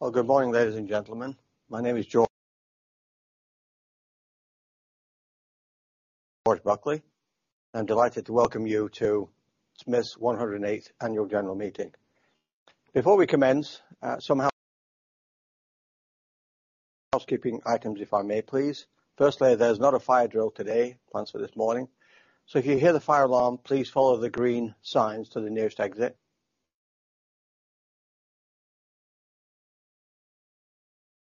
Well, good morning ladies and gentlemen. My name is George Buckley. I'm delighted to welcome you to Smiths 108th Annual General Meeting. Before we commence, some housekeeping items, if I may please. Firstly, there's not a fire drill today planned for this morning, so if you hear the fire alarm, please follow the green signs to the nearest exit.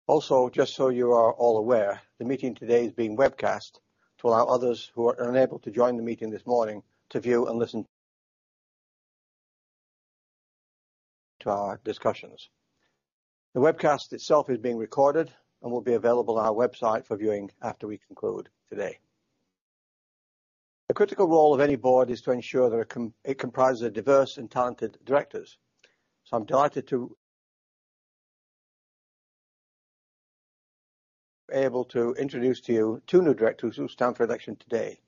Also, just so you are all aware, the meeting today is being webcast to allow others who are unable to join the meeting this morning to view and listen to our discussions. The webcast itself is being recorded and will be available on our website for viewing after we conclude today. The critical role of any board is to ensure that it comprises of diverse and talented directors. I'm delighted to be able to introduce to you two new directors who stand for election today.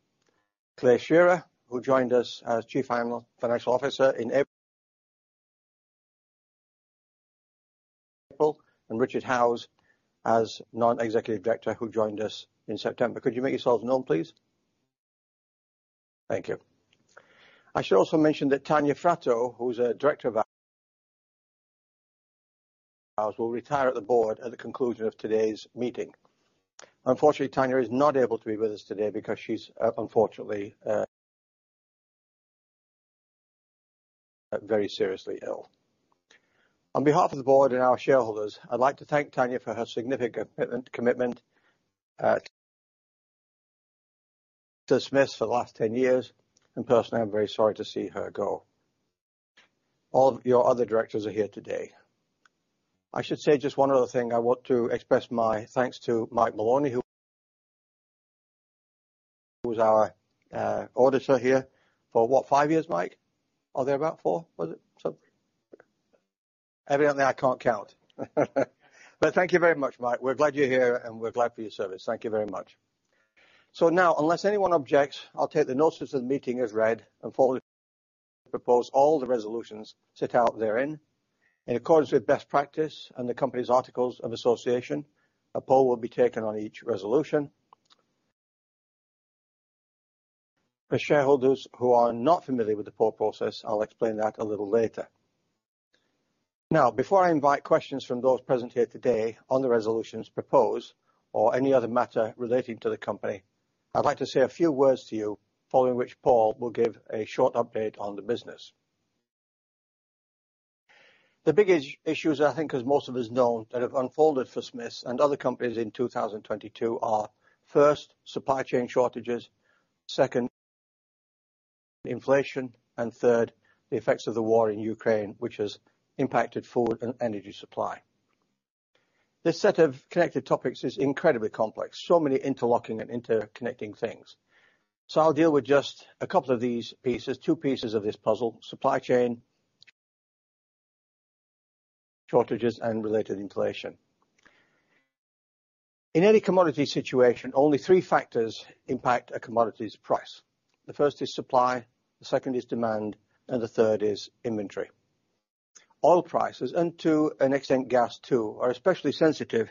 Clare Scherrer, who joined us as Chief Financial Officer in April, and Richard Howes as Non-Executive Director who joined us in September. Could you make yourselves known, please? Thank you. I should also mention that Tanya Fratto, who's a Director of ours, will retire at the Board at the conclusion of today's meeting. Unfortunately, Tanya is not able to be with us today because she's unfortunately very seriously ill. On behalf of the Board and our shareholders, I'd like to thank Tanya for her significant commitment to Smiths for the last 10 years, and personally I'm very sorry to see her go. All of your other directors are here today. I should say just one other thing. I want to express my thanks to Mike Maloney, who is our auditor here for what? Five years, Mike? Or thereabout four, was it? So evidently, I can't count. Thank you very much, Mike. We're glad you're here, and we're glad for your service. Thank you very much. Now, unless anyone objects, I'll take the notice of the meeting as read and now propose all the resolutions set out therein. In accordance with best practice and the company's articles of association, a poll will be taken on each resolution. For shareholders who are not familiar with the poll process, I'll explain that a little later. Now, before I invite questions from those present here today on the resolutions proposed or any other matter relating to the company, I'd like to say a few words to you, following which Paul will give a short update on the business. The biggest issues, I think as most of us know, that have unfolded for Smiths and other companies in 2022 are first, supply chain shortages, second, inflation, and third, the effects of the war in Ukraine, which has impacted food and energy supply. This set of connected topics is incredibly complex, so many interlocking and interconnecting things. I'll deal with just a couple of these pieces, two pieces of this puzzle, supply chain shortages and related inflation. In any commodity situation, only three factors impact a commodity's price. The first is supply, the second is demand, and the third is inventory. Oil prices, and to an extent, gas too are especially sensitive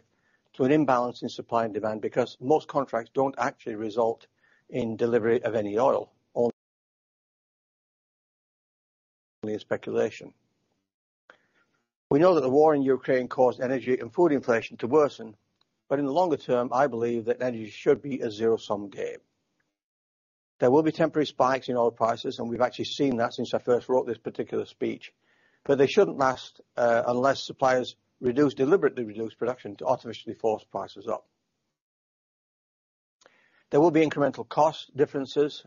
to an imbalance in supply and demand because most contracts don't actually result in delivery of any oil. Only a speculation. We know that the war in Ukraine caused energy and food inflation to worsen, but in the longer term, I believe that energy should be a zero-sum game. There will be temporary spikes in oil prices, and we've actually seen that since I first wrote this particular speech, but they shouldn't last, unless suppliers deliberately reduce production to artificially force prices up. There will be incremental cost differences,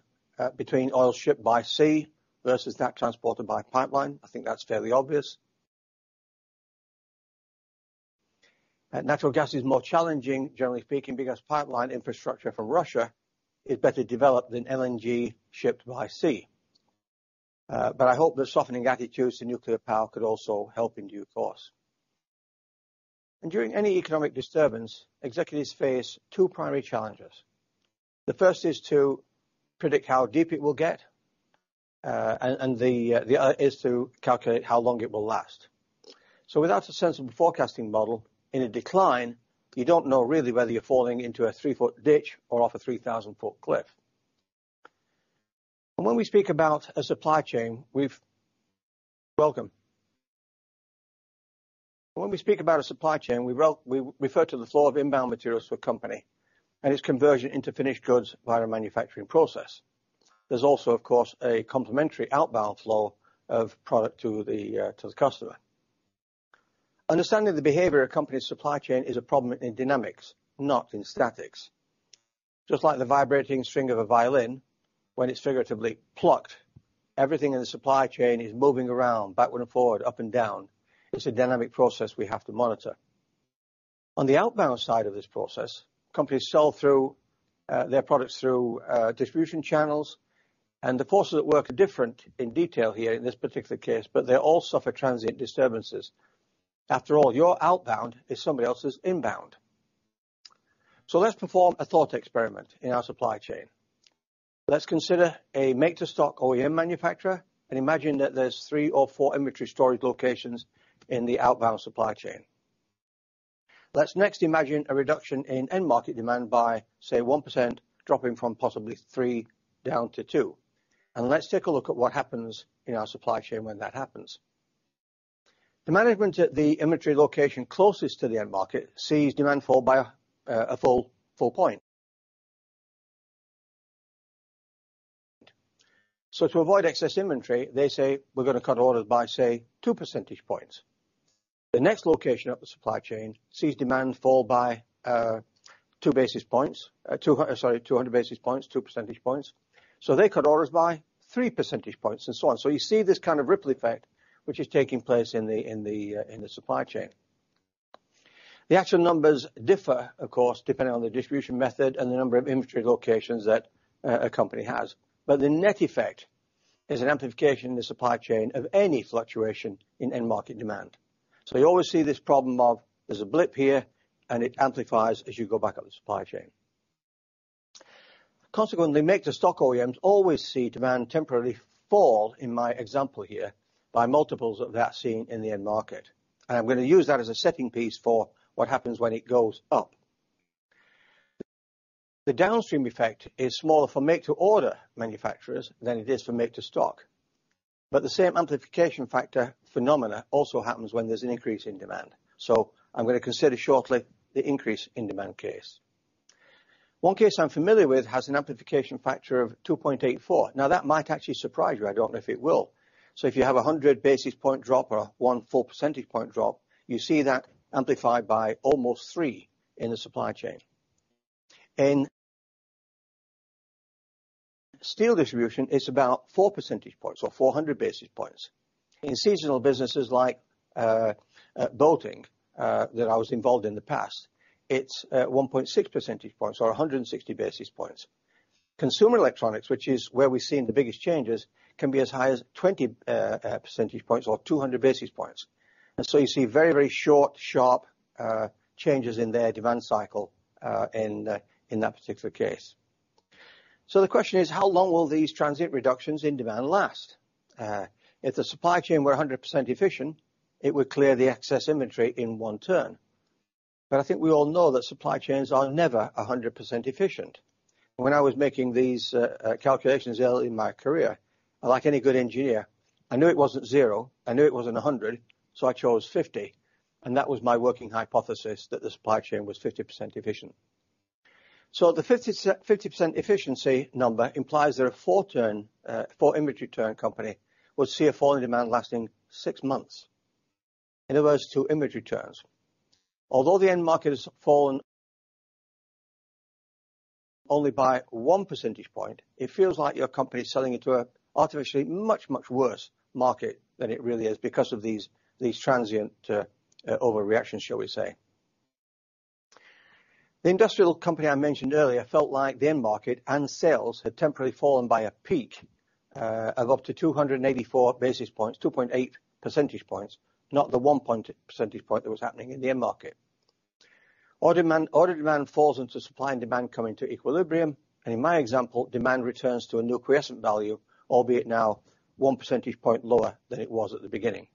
between oil shipped by sea versus that transported by pipeline. I think that's fairly obvious. Natural gas is more challenging, generally speaking, because pipeline infrastructure from Russia is better developed than LNG shipped by sea. But I hope that softening attitudes to nuclear power could also help in due course. During any economic disturbance, executives face two primary challenges. The first is to predict how deep it will get and the other is to calculate how long it will last. Without a sensible forecasting model in a decline, you don't know really whether you're falling into a three-foot ditch or off a 3,000-foot cliff. When we speak about a supply chain, we refer to the flow of inbound materials to a company and its conversion into finished goods via a manufacturing process. There's also, of course, a complementary outbound flow of product to the customer. Understanding the behavior of company's supply chain is a problem in dynamics, not in statics. Just like the vibrating string of a violin, when it's figuratively plucked, everything in the supply chain is moving around backward and forward, up and down. It's a dynamic process we have to monitor. On the outbound side of this process, companies sell through their products through distribution channels, and the forces at work are different in detail here in this particular case, but they all suffer transient disturbances. After all, your outbound is somebody else's inbound. Let's perform a thought experiment in our supply chain. Let's consider a make to stock OEM manufacturer and imagine that there's three or four inventory storage locations in the outbound supply chain. Let's next imagine a reduction in end market demand by, say, 1%, dropping from possibly 3% down to 2%. Let's take a look at what happens in our supply chain when that happens. The management at the inventory location closest to the end market sees demand fall by a full point. To avoid excess inventory, they say, "We're gonna cut orders by, say, 2 percentage points." The next location up the supply chain sees demand fall by 200 basis points, 2 percentage points, so they cut orders by 3 percentage points and so on. You see this kind of ripple effect which is taking place in the supply chain. The actual numbers differ, of course, depending on the distribution method and the number of inventory locations that a company has. The net effect is an amplification in the supply chain of any fluctuation in end market demand. You always see this problem of there's a blip here, and it amplifies as you go back up the supply chain. Consequently, make-to-stock OEMs always see demand temporarily fall in my example here by multiples of that seen in the end market. I'm gonna use that as a setting piece for what happens when it goes up. The downstream effect is smaller for make-to-order manufacturers than it is for make to stock. The same amplification factor phenomena also happens when there's an increase in demand. I'm gonna consider shortly the increase in demand case. One case I'm familiar with has an amplification factor of 2.84. Now that might actually surprise you. I don't know if it will. If you have a 100 basis point drop or a 1 full percentage point drop, you see that amplified by almost three in the supply chain. In steel distribution, it's about 4 percentage points or 400 basis points. In seasonal businesses like bolting that I was involved in the past, it's 1.6 percentage points or 160 basis points. Consumer electronics, which is where we've seen the biggest changes, can be as high as 20 percentage points or 200 basis points. You see very, very short, sharp changes in their demand cycle, in that particular case. The question is, how long will these transit reductions in demand last? If the supply chain were 100% efficient, it would clear the excess inventory in one turn. I think we all know that supply chains are never 100% efficient. When I was making these calculations early in my career, like any good engineer, I knew it wasn't zero, I knew it wasn't 100, so I chose 50 and that was my working hypothesis, that the supply chain was 50% efficient. The 50% efficiency number implies that a four turn, four inventory turn company would see a fall in demand lasting 6 months. In other words, two inventory turns. Although the end market has fallen only by 1 percentage point, it feels like your company is selling into an artificially much, much worse market than it really is because of these transient overreactions, shall we say. The industrial company I mentioned earlier felt like the end market and sales had temporarily fallen by a peak of up to 284 basis points, 2.8 percentage points, not the 1 percentage point that was happening in the end market. Order demand falls until supply and demand come into equilibrium, and in my example, demand returns to a new quiescent value, albeit now 1 percentage point lower than it was at the beginning.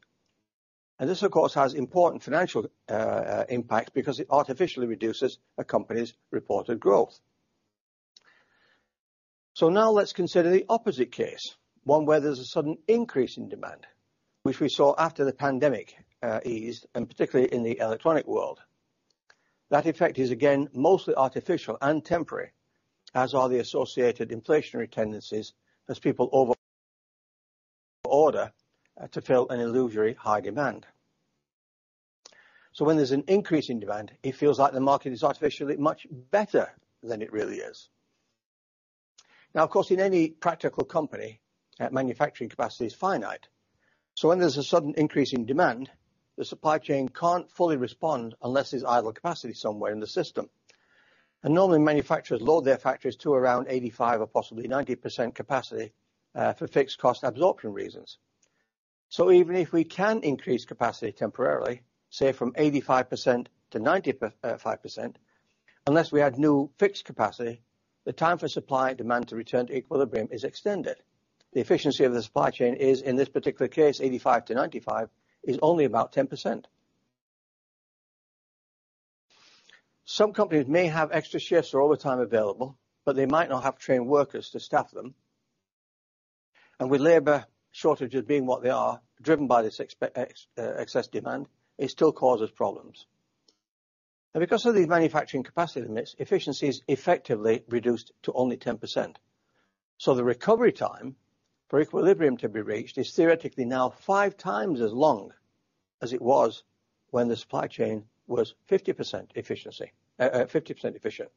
This, of course, has important financial impacts because it artificially reduces a company's reported growth. Now let's consider the opposite case, one where there's a sudden increase in demand, which we saw after the pandemic eased, and particularly in the electronic world. That effect is again, mostly artificial and temporary, as are the associated inflationary tendencies as people overorder to fill an illusory high demand. When there's an increase in demand, it feels like the market is artificially much better than it really is. Now, of course, in any practical company, manufacturing capacity is finite. When there's a sudden increase in demand, the supply chain can't fully respond unless there's idle capacity somewhere in the system. Normally, manufacturers load their factories to around 85 or possibly 90% capacity, for fixed cost absorption reasons. Even if we can increase capacity temporarily, say from 85% to 95%, unless we add new fixed capacity, the time for supply and demand to return to equilibrium is extended. The efficiency of the supply chain is, in this particular case, 85-95, only about 10%. Some companies may have extra shifts or overtime available, but they might not have trained workers to staff them. With labor shortages being what they are, driven by this excess demand, it still causes problems. Because of the manufacturing capacity limits, efficiency is effectively reduced to only 10%. The recovery time for equilibrium to be reached is theoretically now five times as long as it was when the supply chain was 50% efficient.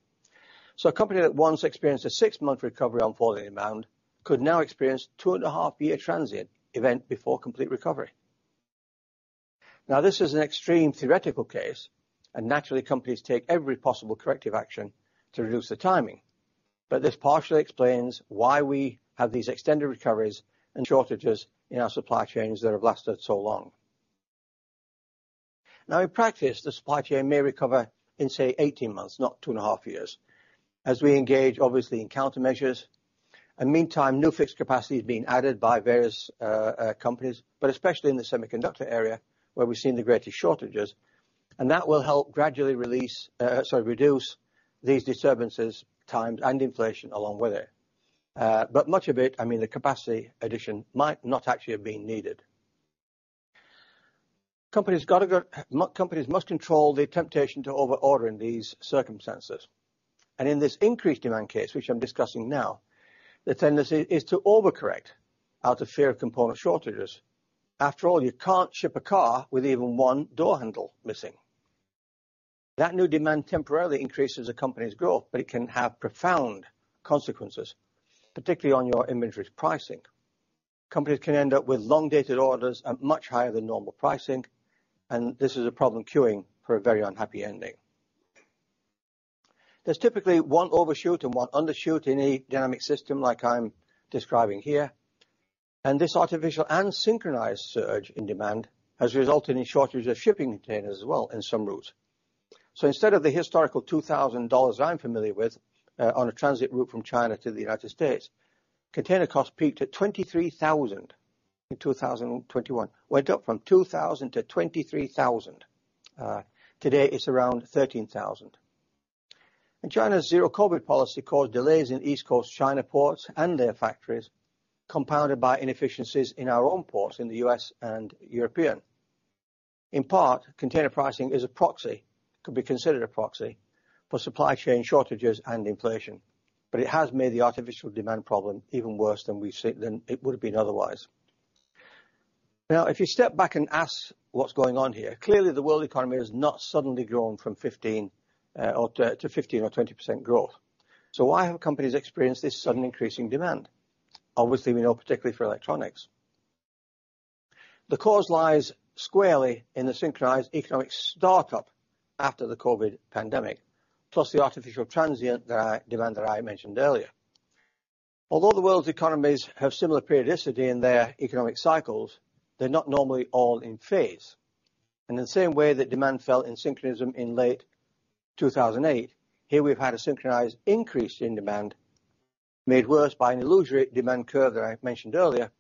A company that once experienced a six-month recovery on falling demand could now experience two-and-a-half-year transient event before complete recovery. Now, this is an extreme theoretical case, and naturally, companies take every possible corrective action to reduce the timing. This partially explains why we have these extended recoveries and shortages in our supply chains that have lasted so long. Now in practice, the supply chain may recover in say 18 months, not 2.5 years, as we engage obviously in countermeasures. Meantime, new fixed capacity is being added by various companies but especially in the semiconductor area where we've seen the greatest shortages. That will help gradually reduce these disturbances times and inflation along with it. Much of it, I mean, the capacity addition might not actually have been needed. Companies must control the temptation to over-order in these circumstances. In this increased demand case, which I'm discussing now, the tendency is to over-correct out of fear of component shortages. After all, you can't ship a car with even one door handle missing. That new demand temporarily increases a company's growth, but it can have profound consequences, particularly on your inventory pricing. Companies can end up with long-dated orders at much higher than normal pricing, and this is a problem queuing for a very unhappy ending. There's typically one overshoot and one undershoot in a dynamic system like I'm describing here. This artificial and synchronized surge in demand has resulted in shortages of shipping containers as well in some routes. Instead of the historical $2,000 I'm familiar with, on a transit route from China to the United States, container costs peaked at $23,000 in 2021. Went up from $2,000 to $23,000. Today, it's around $13,000. China's Zero-COVID policy caused delays in East Coast China ports and their factories, compounded by inefficiencies in our own ports in the US and Europe. In part, container pricing is a proxy, could be considered a proxy, for supply chain shortages and inflation, but it has made the artificial demand problem even worse than it would have been otherwise. Now, if you step back and ask what's going on here, clearly the world economy has not suddenly grown from 15 or to 15 or 20% growth. Why have companies experienced this sudden increase in demand? Obviously, we know particularly for electronics. The cause lies squarely in the synchronized economic startup after the COVID pandemic, plus the artificial demand that I mentioned earlier. Although the world's economies have similar periodicity in their economic cycles, they're not normally all in phase. In the same way that demand fell in synchronism in late 2008, here we've had a synchronized increase in demand made worse by an illusory demand curve that I mentioned earlier.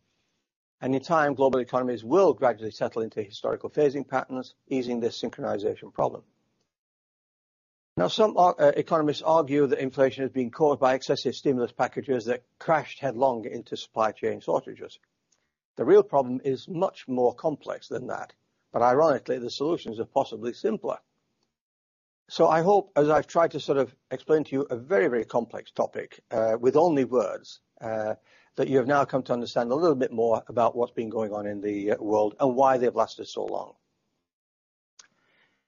In time, global economies will gradually settle into historical phasing patterns, easing this synchronization problem. Now, some eco-economists argue that inflation has been caused by excessive stimulus packages that crashed headlong into supply chain shortages. The real problem is much more complex than that, but ironically, the solutions are possibly simpler. I hope, as I've tried to sort of explain to you a very, very complex topic, with only words, that you have now come to understand a little bit more about what's been going on in the world and why they've lasted so long.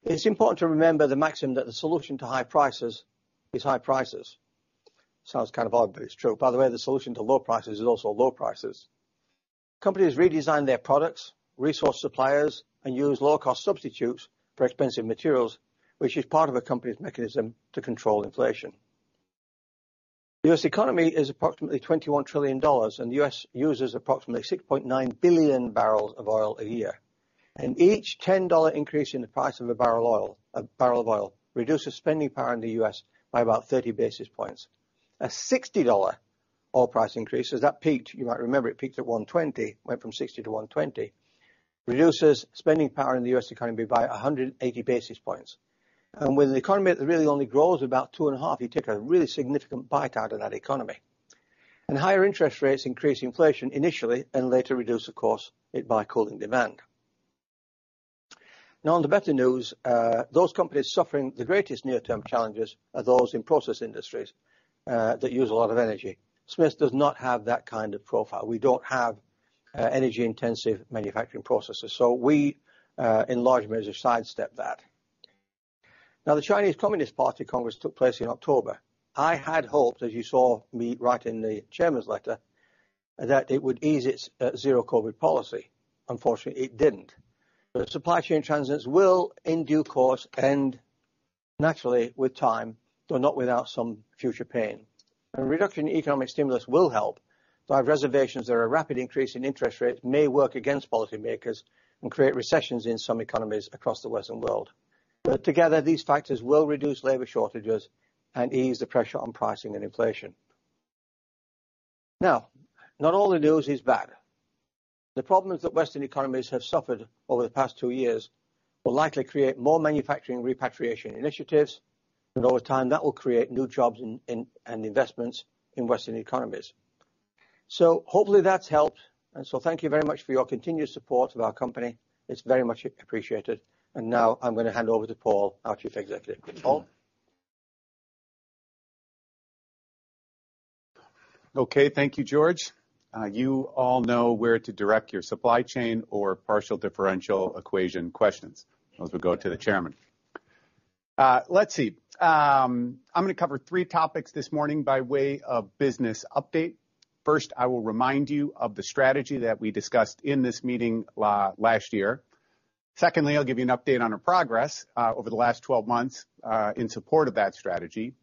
It's important to remember the maxim that the solution to high prices is high prices. Sounds kind of odd, but it's true. By the way, the solution to low prices is also low prices. Companies redesign their products, resource suppliers, and use low-cost substitutes for expensive materials, which is part of a company's mechanism to control inflation. The U.S. economy is approximately $21 trillion, and the U.S. uses approximately 6.9 billion barrels of oil a year. Each $10 increase in the price of a barrel of oil reduces spending power in the U.S. by about 30 basis points. A $60 oil price increase, as that peaked, you might remember it peaked at $120, went from $60 to $120, reduces spending power in the U.S. economy by 180 basis points. When the economy really only grows about 2.5%, you take a really significant bite out of that economy. Higher interest rates increase inflation initially and later reduce the cost by cooling demand. Now on the better news, those companies suffering the greatest near-term challenges are those in process industries that use a lot of energy. Smiths does not have that kind of profile. We don't have energy-intensive manufacturing processes. So we, in large measure, sidestep that. Now, the Chinese Communist Party Congress took place in October. I had hoped, as you saw me write in the chairman's letter, that it would ease its Zero-COVID policy. Unfortunately, it didn't. The supply chain transits will, in due course, end naturally with time, though not without some future pain. A reduction in economic stimulus will help. Our reservations that a rapid increase in interest rates may work against policymakers and create recessions in some economies across the Western world. Together, these factors will reduce labor shortages and ease the pressure on pricing and inflation. Now, not all the news is bad. The problems that Western economies have suffered over the past two years will likely create more manufacturing repatriation initiatives, and over time, that will create new jobs and investments in Western economies. Hopefully that's helped. Thank you very much for your continued support of our company. It's very much appreciated. Now I'm gonna hand over to Paul, our Chief Executive. Paul? Okay. Thank you, George. You all know where to direct your supply chain or partial differential equation questions, or else they go to the chairman. Let's see. I'm gonna cover three topics this morning by way of business update. First, I will remind you of the strategy that we discussed in this meeting last year. Secondly, I'll give you an update on our progress over the last 12 months in support of that strategy.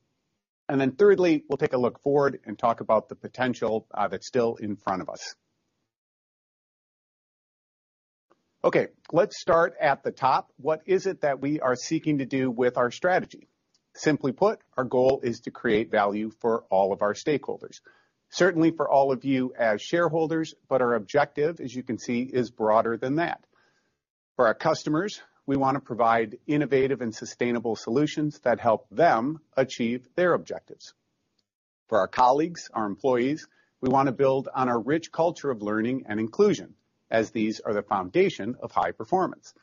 Thirdly, we'll take a look forward and talk about the potential that's still in front of us. Okay, let's start at the top. What is it that we are seeking to do with our strategy? Simply put, our goal is to create value for all of our stakeholders. Certainly for all of you as shareholders, but our objective, as you can see, is broader than that. For our customers, we wanna provide innovative and sustainable solutions that help them achieve their objectives. For our colleagues, our employees, we wanna build on our rich culture of learning and inclusion, as these are the foundation of high performance.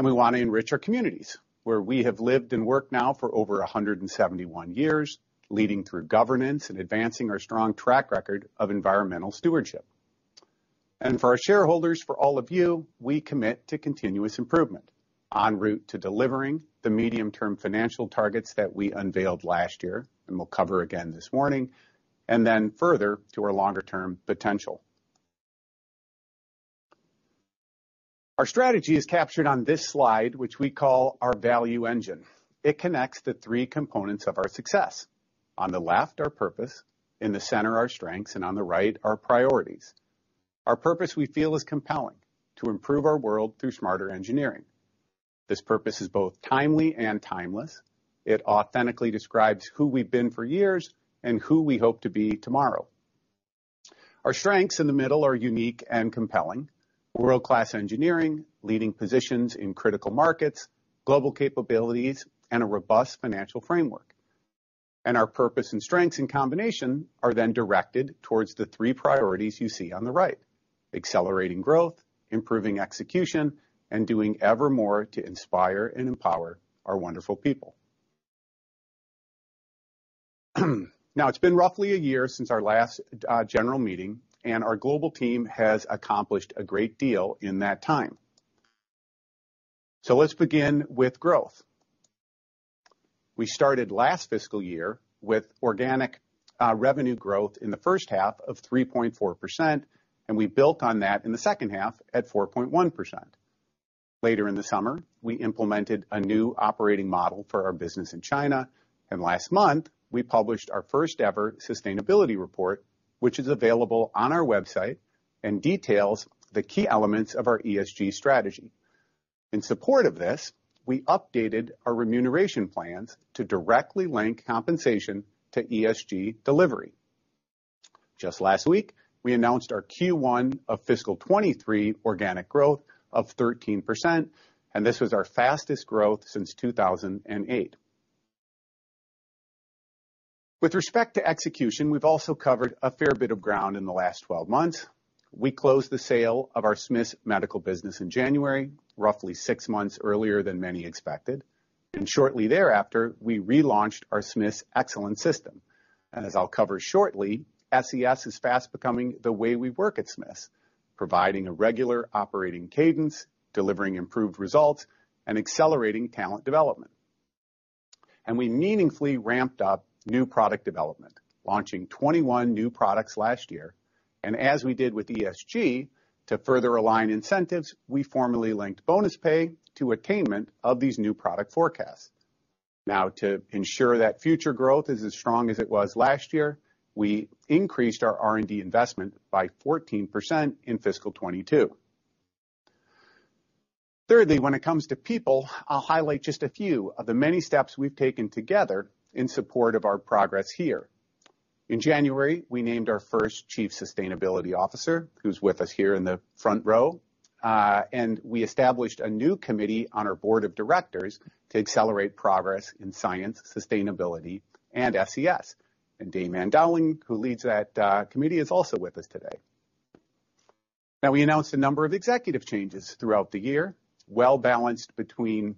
We want to enrich our communities, where we have lived and worked now for over 171 years, leading through governance and advancing our strong track record of environmental stewardship. For our shareholders, for all of you, we commit to continuous improvement en route to delivering the medium-term financial targets that we unveiled last year and we'll cover again this morning, and then further to our longer-term potential. Our strategy is captured on this slide, which we call our value engine. It connects the three components of our success. On the left, our purpose, in the center, our strengths, and on the right, our priorities. Our purpose we feel is compelling to improve our world through smarter engineering. This purpose is both timely and timeless. It authentically describes who we've been for years and who we hope to be tomorrow. Our strengths in the middle are unique and compelling. World-class engineering, leading positions in critical markets, global capabilities, and a robust financial framework. Our purpose and strengths in combination are then directed towards the three priorities you see on the right, accelerating growth, improving execution, and doing evermore to inspire and empower our wonderful people. Now, it's been roughly a year since our last general meeting and our global team has accomplished a great deal in that time. Let's begin with growth. We started last fiscal year with organic revenue growth in the first half of 3.4%, and we built on that in the second half at 4.1%. Later in the summer, we implemented a new operating model for our business in China, and last month, we published our first-ever sustainability report, which is available on our website and details the key elements of our ESG strategy. In support of this, we updated our remuneration plans to directly link compensation to ESG delivery. Just last week, we announced our Q1 of fiscal 2023 organic growth of 13%, and this was our fastest growth since 2008. With respect to execution, we've also covered a fair bit of ground in the last 12 months. We closed the sale of our Smiths Medical business in January, roughly six months earlier than many expected. Shortly thereafter, we relaunched our Smiths Excellence System. As I'll cover shortly, SES is fast becoming the way we work at Smiths, providing a regular operating cadence, delivering improved results, and accelerating talent development. We meaningfully ramped up new product development, launching 21 new products last year. As we did with ESG, to further align incentives, we formally linked bonus pay to attainment of these new product forecasts. Now, to ensure that future growth is as strong as it was last year, we increased our R&D investment by 14% in fiscal 2022. Thirdly, when it comes to people, I'll highlight just a few of the many steps we've taken together in support of our progress here. In January, we named our first chief sustainability officer, who's with us here in the front row, and we established a new committee on our board of directors to accelerate progress in science, sustainability, and SES. Dame Ann Dowling, who leads that committee, is also with us today. Now, we announced a number of executive changes throughout the year, well-balanced between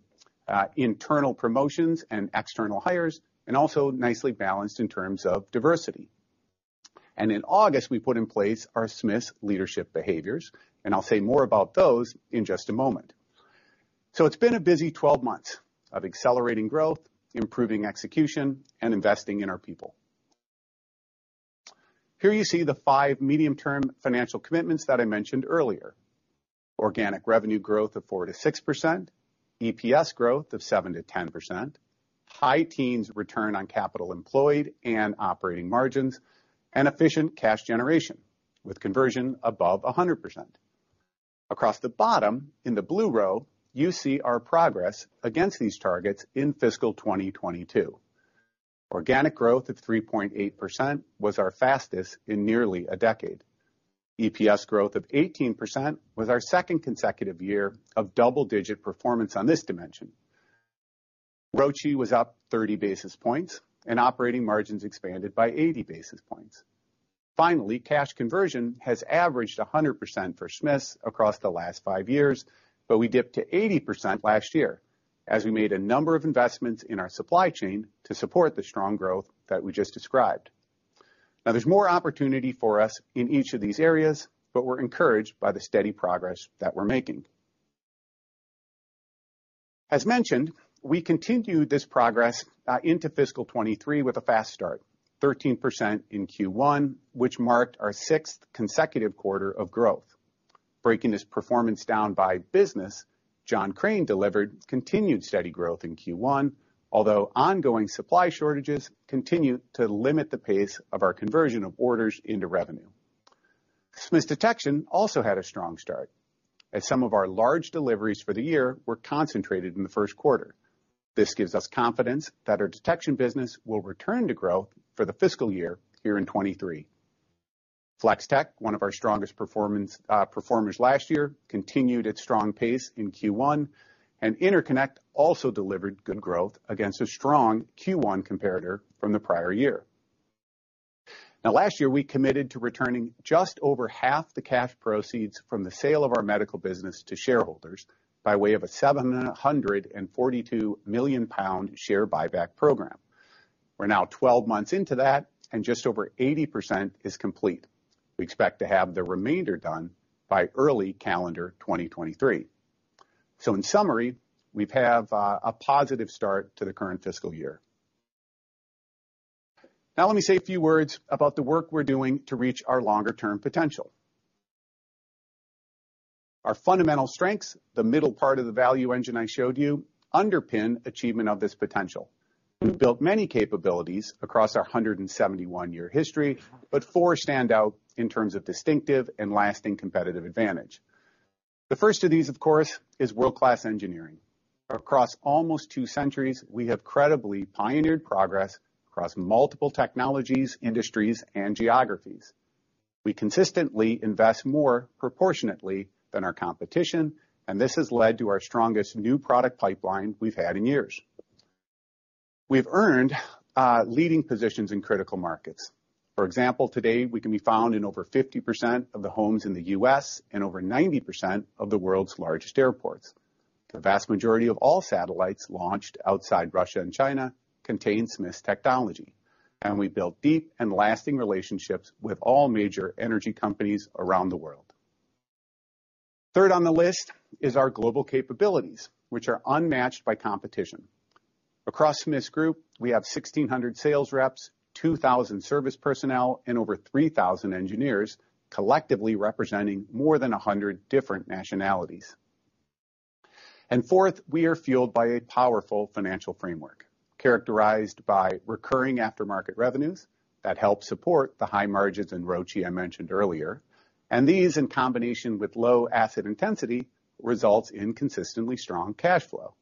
internal promotions and external hires, and also nicely balanced in terms of diversity. In August, we put in place our Smiths Leadership Behaviors, and I'll say more about those in just a moment. It's been a busy 12 months of accelerating growth, improving execution, and investing in our people. Here you see the 5 medium-term financial commitments that I mentioned earlier. Organic revenue growth of 4%-6%, EPS growth of 7%-10%, high teens ROCE and operating margins, and efficient cash generation with conversion above 100%. Across the bottom in the blue row, you see our progress against these targets in fiscal 2022. Organic growth of 3.8% was our fastest in nearly a decade. EPS growth of 18% was our second consecutive year of double-digit performance on this dimension. ROCE was up 30 basis points and operating margins expanded by 80 basis points. Finally, cash conversion has averaged 100% for Smiths across the last five years, but we dipped to 80% last year as we made a number of investments in our supply chain to support the strong growth that we just described. Now there's more opportunity for us in each of these areas, but we're encouraged by the steady progress that we're making. As mentioned, we continued this progress into fiscal 2023 with a fast start, 13% in Q1, which marked our sixth consecutive quarter of growth. Breaking this performance down by business, John Crane delivered continued steady growth in Q1, although ongoing supply shortages continue to limit the pace of our conversion of orders into revenue. Smiths Detection also had a strong start, as some of our large deliveries for the year were concentrated in the first quarter. This gives us confidence that our detection business will return to growth for the fiscal year here in 2023. Flex-Tek, one of our strongest performers last year, continued its strong pace in Q1, and Interconnect also delivered good growth against a strong Q1 comparator from the prior year. Now, last year, we committed to returning just over half the cash proceeds from the sale of our medical business to shareholders by way of a 742 million pound share buyback program. We're now 12 months into that, and just over 80% is complete. We expect to have the remainder done by early calendar 2023. In summary, we have a positive start to the current fiscal year. Now let me say a few words about the work we're doing to reach our longer-term potential. Our fundamental strengths, the middle part of the value engine I showed you, underpin achievement of this potential. We've built many capabilities across our 171-year history, but four stand out in terms of distinctive and lasting competitive advantage. The first of these, of course, is world-class engineering. Across almost two centuries, we have credibly pioneered progress across multiple technologies, industries, and geographies. We consistently invest more proportionately than our competition, and this has led to our strongest new product pipeline we've had in years. We've earned leading positions in critical markets. For example, today we can be found in over 50% of the homes in the U.S. and over 90% of the world's largest airports. The vast majority of all satellites launched outside Russia and China contain Smiths technology, and we build deep and lasting relationships with all major energy companies around the world. Third on the list is our global capabilities, which are unmatched by competition. Across Smiths Group, we have 1,600 sales reps, 2,000 service personnel, and over 3,000 engineers, collectively representing more than 100 different nationalities. Fourth, we are fueled by a powerful financial framework characterized by recurring aftermarket revenues that help support the high margins in ROCE I mentioned earlier. These, in combination with low asset intensity, results in consistently strong cash flow.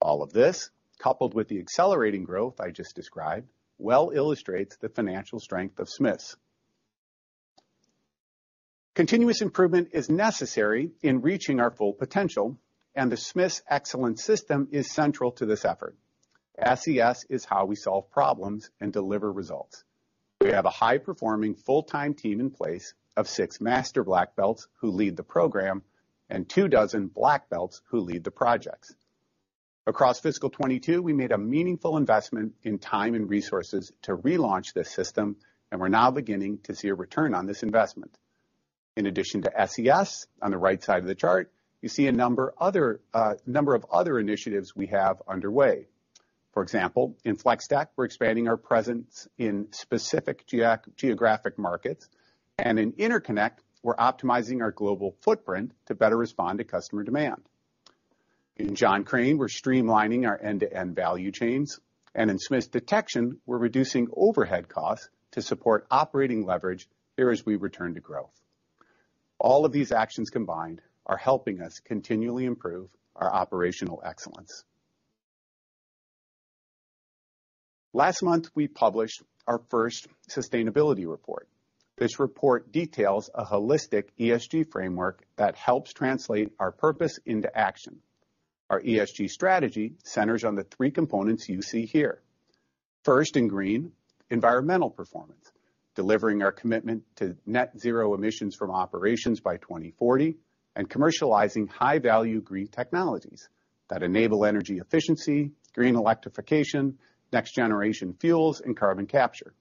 All of this, coupled with the accelerating growth I just described, well illustrates the financial strength of Smiths. Continuous improvement is necessary in reaching our full potential, and the Smiths Excellence System is central to this effort. SES is how we solve problems and deliver results. We have a high-performing full-time team in place of six master black belts who lead the program and 24 black belts who lead the projects. Across fiscal 2022, we made a meaningful investment in time and resources to relaunch this system, and we're now beginning to see a return on this investment. In addition to SES, on the right side of the chart, you see a number of other initiatives we have underway. For example, in Flex-Tek, we're expanding our presence in specific geographic markets, and in Interconnect, we're optimizing our global footprint to better respond to customer demand. In John Crane, we're streamlining our end-to-end value chains, and in Smiths Detection, we're reducing overhead costs to support operating leverage here as we return to growth. All of these actions combined are helping us continually improve our operational excellence. Last month, we published our first sustainability report. This report details a holistic ESG framework that helps translate our purpose into action. Our ESG strategy centers on the three components you see here. First, in green, environmental performance, delivering our commitment to net zero emissions from operations by 2040 and commercializing high-value green technologies that enable energy efficiency, green electrification, next-generation fuels, and carbon capture.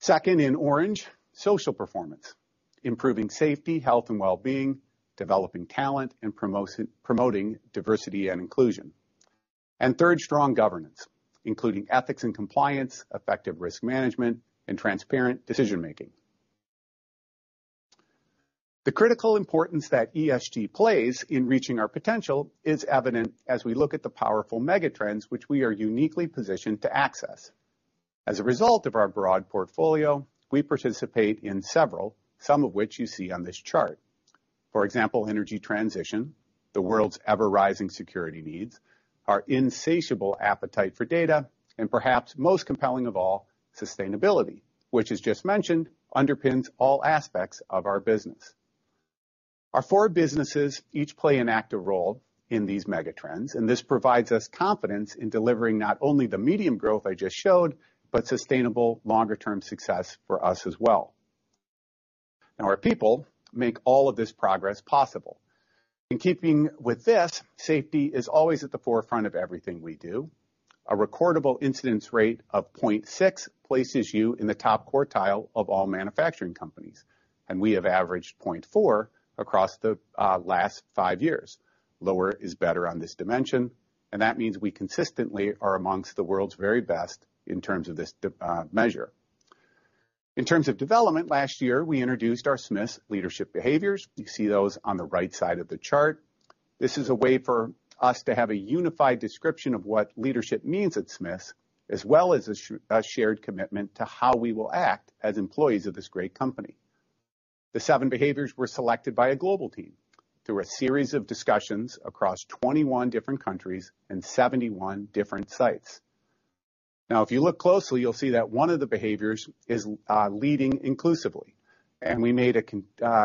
Second, in orange, social performance, improving safety, health, and well-being, developing talent, and promoting diversity and inclusion. Third, strong governance, including ethics and compliance, effective risk management, and transparent decision-making. The critical importance that ESG plays in reaching our potential is evident as we look at the powerful megatrends which we are uniquely positioned to access. As a result of our broad portfolio, we participate in several, some of which you see on this chart. For example, energy transition, the world's ever-rising security needs, our insatiable appetite for data, and perhaps most compelling of all, sustainability, which as just mentioned, underpins all aspects of our business. Our four businesses each play an active role in these megatrends, and this provides us confidence in delivering not only the medium growth I just showed, but sustainable longer-term success for us as well. Our people make all of this progress possible. In keeping with this, safety is always at the forefront of everything we do. A recordable incident rate of 0.6 places you in the top quartile of all manufacturing companies, and we have averaged 0.4 across the last 5 years. Lower is better on this dimension, and that means we consistently are among the world's very best in terms of this measure. In terms of development, last year we introduced our Smiths Leadership Behaviors. You see those on the right side of the chart. This is a way for us to have a unified description of what leadership means at Smiths, as well as a shared commitment to how we will act as employees of this great company. The seven behaviors were selected by a global team through a series of discussions across 21 different countries and 71 different sites. Now if you look closely, you'll see that one of the behaviors is leading inclusively, and we made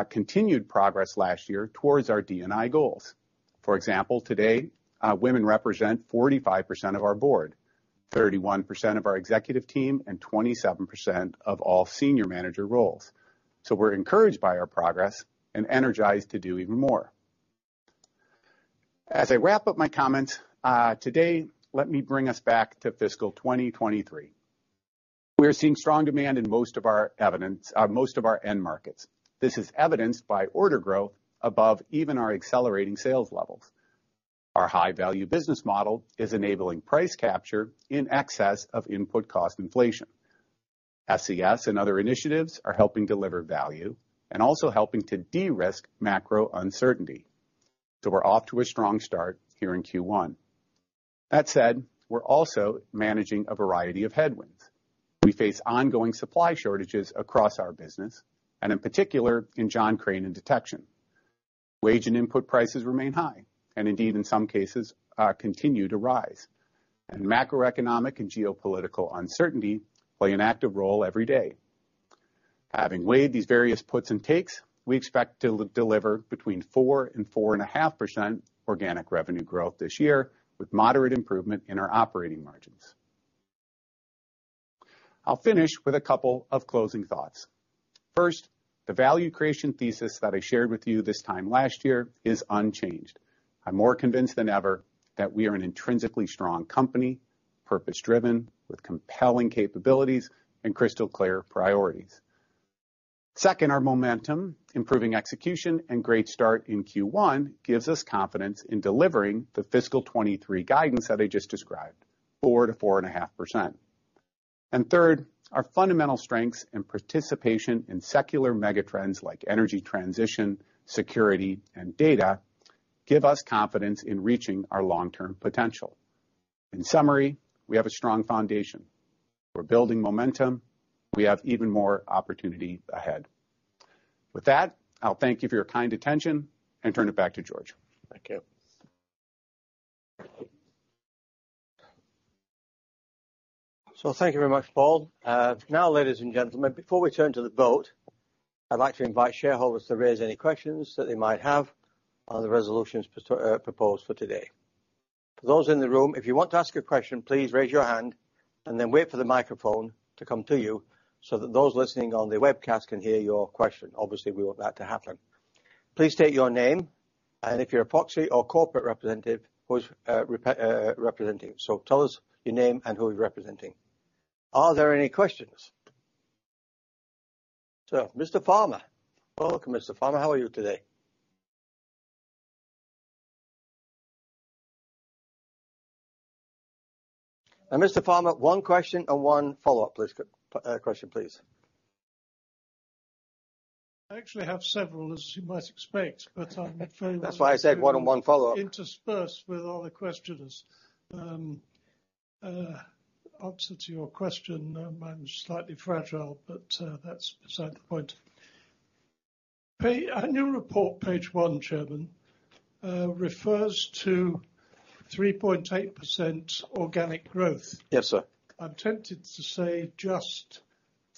continued progress last year towards our D&I goals. For example, today, women represent 45% of our board, 31% of our executive team, and 27% of all senior manager roles. We're encouraged by our progress and energized to do even more. As I wrap up my comments today, let me bring us back to fiscal 2023. We're seeing strong demand in most of our end markets. This is evidenced by order growth above even our accelerating sales levels. Our high-value business model is enabling price capture in excess of input cost inflation. SES and other initiatives are helping deliver value and also helping to de-risk macro uncertainty. We're off to a strong start here in Q1. That said, we're also managing a variety of headwinds. We face ongoing supply shortages across our business, and in particular, in John Crane and Smiths Detection. Wage and input prices remain high, and indeed, in some cases, continue to rise. Macroeconomic and geopolitical uncertainty play an active role every day. Having weighed these various puts and takes, we expect to deliver between 4% and 4.5% organic revenue growth this year, with moderate improvement in our operating margins. I'll finish with a couple of closing thoughts. First, the value creation thesis that I shared with you this time last year is unchanged. I'm more convinced than ever that we are an intrinsically strong company, purpose-driven, with compelling capabilities and crystal-clear priorities. Second, our momentum, improving execution, and great start in Q1 gives us confidence in delivering the fiscal 2023 guidance that I just described, 4%-4.5%. Third, our fundamental strengths and participation in secular mega trends like energy transition, security, and data, give us confidence in reaching our long-term potential. In summary, we have a strong foundation. We're building momentum. We have even more opportunity ahead. With that, I'll thank you for your kind attention and turn it back to George. Thank you. Thank you very much, Paul. Now, ladies and gentlemen, before we turn to the vote, I'd like to invite shareholders to raise any questions that they might have on the resolutions proposed for today. For those in the room, if you want to ask a question, please raise your hand and then wait for the microphone to come to you so that those listening on the webcast can hear your question. Obviously, we want that to happen. Please state your name, and if you're a proxy or corporate representative, who's representing. Tell us your name and who you're representing. Are there any questions? Mr. Farmer. Welcome, Mr. Farmer. How are you today? Mr. Farmer, one question and one follow-up, please, question, please. I actually have several, as you might expect but I'm very willing. That's why I said one and one follow-up. To intersperse with other questioners. Answer to your question, I'm slightly fragile, but that's beside the point. Page annual report, page one, Chairman refers to 3.8% organic growth. Yes, sir. I'm tempted to say just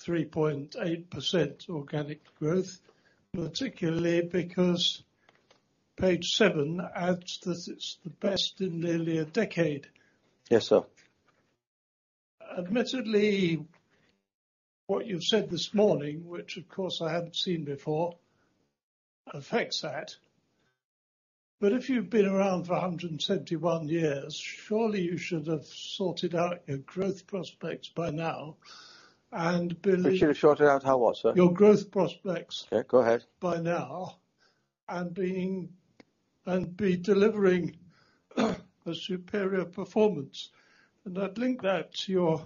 3.8% organic growth, particularly because page seven adds that it's the best in nearly a decade. Yes, sir. Admittedly, what you've said this morning, which of course I hadn't seen before, affects that. If you've been around for 171 years, surely you should have sorted out your growth prospects by now and believe. We should have sorted out our what, sir? Your growth prospects. Yeah, go ahead. By now and be delivering a superior performance. I'd link that to your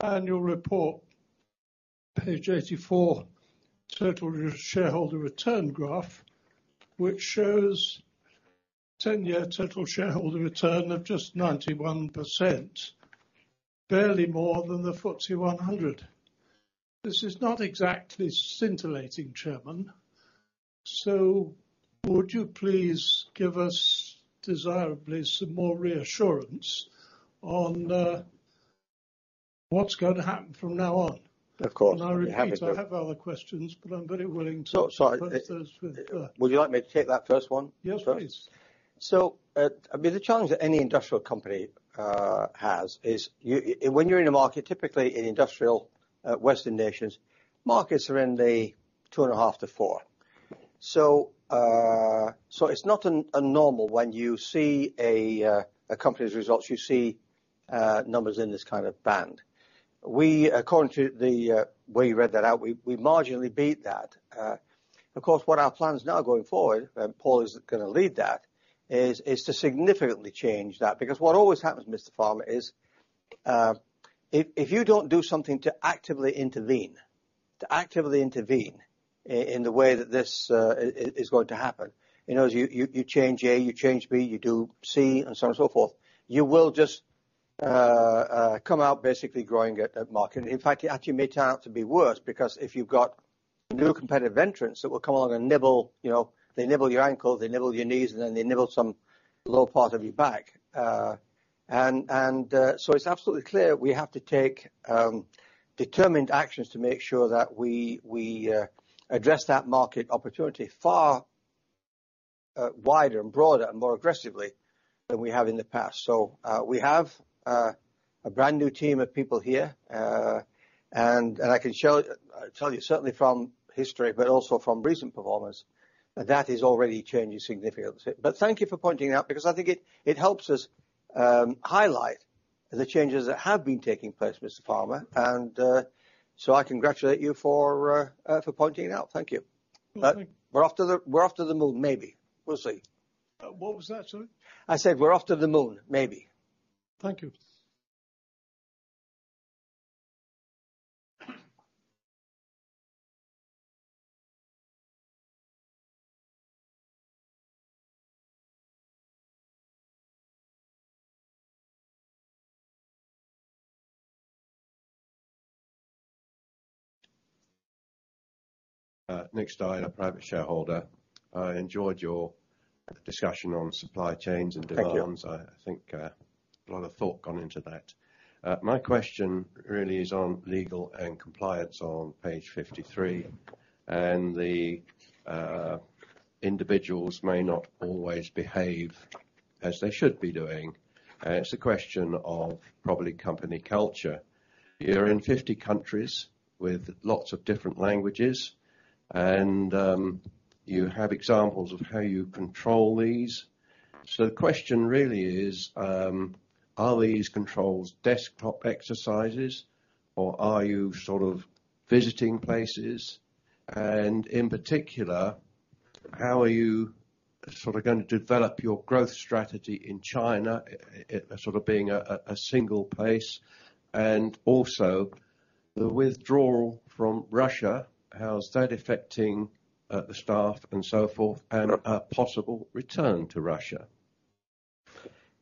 annual report, page 84, total shareholder return graph, which shows 10-year total shareholder return of just 91%, barely more than the FTSE 100. This is not exactly scintillating, Chairman. Would you please give us desirably some more reassurance on what's going to happen from now on? Of course. I repeat, I have other questions, but I'm very willing to postpone those with - Would you like me to take that first one? Yes, please. I mean the challenge that any industrial company has is when you're in a market, typically in industrial, Western nations, markets are in the 2.5%-4%. It's not abnormal when you see a company's results, you see numbers in this kind of band. We, according to the way you read that out, marginally beat that. Of course what our plan is now going forward, and Paul is gonna lead that, is to significantly change that. Because what always happens, Mr. Farmer, if you don't do something to actively intervene in the way that this is going to happen, you know, as you change A, you change B, you do C, and so on and so forth, you will just come out basically growing at that market. In fact it actually may turn out to be worse, because if you've got new competitive entrants that will come along and nibble, you know, they nibble your ankle, they nibble your knees, and then they nibble some low part of your back. It's absolutely clear we have to take determined actions to make sure that we address that market opportunity far wider and broader and more aggressively than we have in the past. We have a brand new team of people here, and I can tell you certainly from history, but also from recent performance, that that is already changing significantly. Thank you for pointing it out, because I think it helps us highlight the changes that have been taking place, Mr. Farmer, and so I congratulate you for pointing it out. Thank you. Okay. We're off to the moon. Maybe. We'll see. What was that, sorry? I said we're off to the moon. Maybe. Thank you. Nick Stein, a private shareholder. I enjoyed your discussion on supply chains and demands. Thank you. I think a lot of thought gone into that. My question really is on legal and compliance on page 53 and the individuals may not always behave as they should be doing. It's a question of probably company culture. You're in 50 countries with lots of different languages, and you have examples of how you control these. The question really is, are these controls desktop exercises or are you sort of visiting places? In particular, how are you sort of going to develop your growth strategy in China, sort of being a single place? The withdrawal from Russia, how's that affecting the staff and so forth, and a possible return to Russia?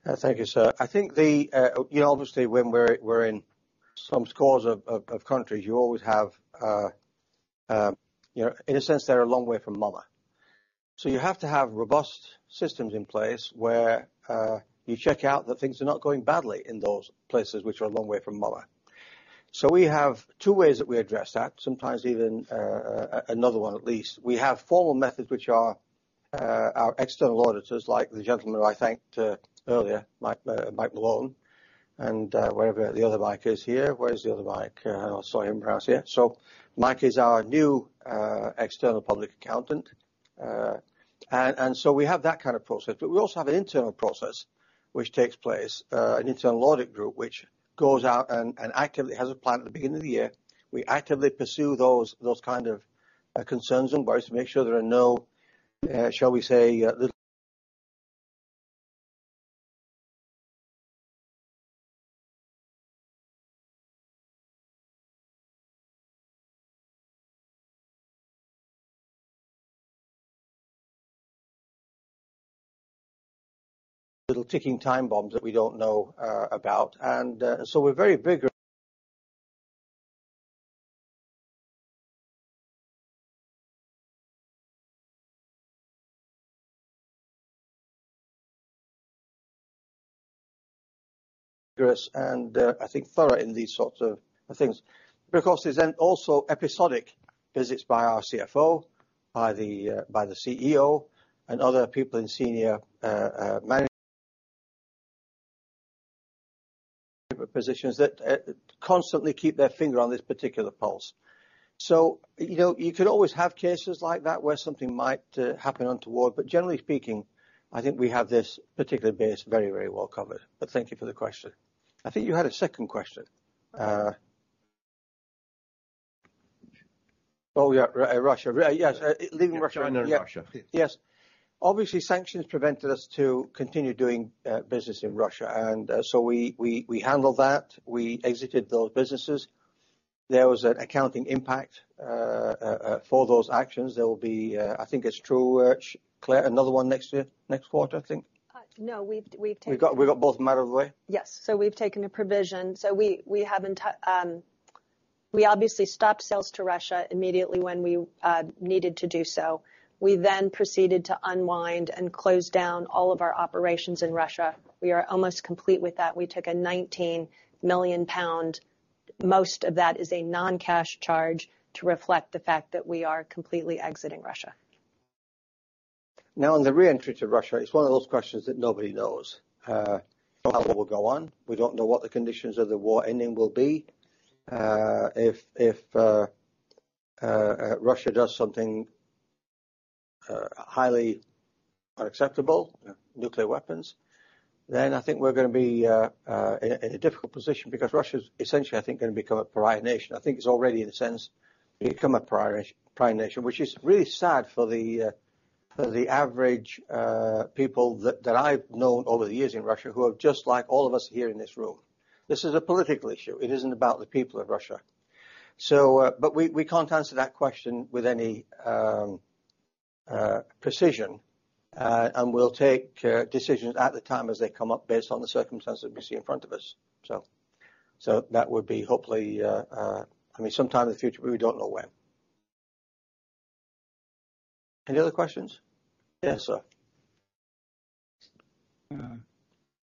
Thank you, sir. I think obviously when we're in some scores of countries, you always have in a sense they're a long way from mama. You have to have robust systems in place where you check out that things are not going badly in those places which are a long way from mama. We have two ways that we address that, sometimes even another one at least. We have formal methods which are our external auditors, like the gentleman who I thanked earlier, Mike Maloney, and wherever the other Mike is here. Where is the other Mike? I saw him perhaps here. Mike is our new external public accountant. We have that kind of process. We also have an internal process which takes place, an internal audit group, which goes out and actively has a plan at the beginning of the year. We actively pursue those kind of concerns and worries to make sure there are no shall we say little ticking time bombs that we don't know about. We're very rigorous and I think thorough in these sorts of things. Of course, there's then also episodic visits by our CFO, by the CEO and other people in senior management positions that constantly keep their finger on this particular pulse. You know, you could always have cases like that where something might happen untoward. Generally speaking, I think we have this particular base very, very well covered. Thank you for the question. I think you had a second question. Oh yeah, Russia. Yes, leaving Russia. Russia. Yes. Obviously sanctions prevented us to continue doing business in Russia. We handled that. We exited those businesses. There was an accounting impact for those actions. There will be, I think it's true, Clare, another one next year, next quarter, I think. No, we've taken - We got both them out of the way? Yes. We've taken a provision. We obviously stopped sales to Russia immediately when we needed to do so. We proceeded to unwind and close down all of our operations in Russia. We are almost complete with that. We took a 19 million pound. Most of that is a non-cash charge to reflect the fact that we are completely exiting Russia. Now on the re-entry to Russia, it's one of those questions that nobody knows, how it will go on. We don't know what the conditions of the war ending will be. If Russia does something highly unacceptable nuclear weapons, then I think we're gonna be in a difficult position because Russia is essentially, I think, gonna become a pariah nation. I think it's already in a sense become a pariah nation which is really sad for the average people that I've known over the years in Russia, who are just like all of us here in this room. This is a political issue. It isn't about the people of Russia. We can't answer that question with any precision. We'll take decisions at the time as they come up based on the circumstances we see in front of us. That would be hopefully, I mean, sometime in the future, but we don't know when. Any other questions? Yes, sir.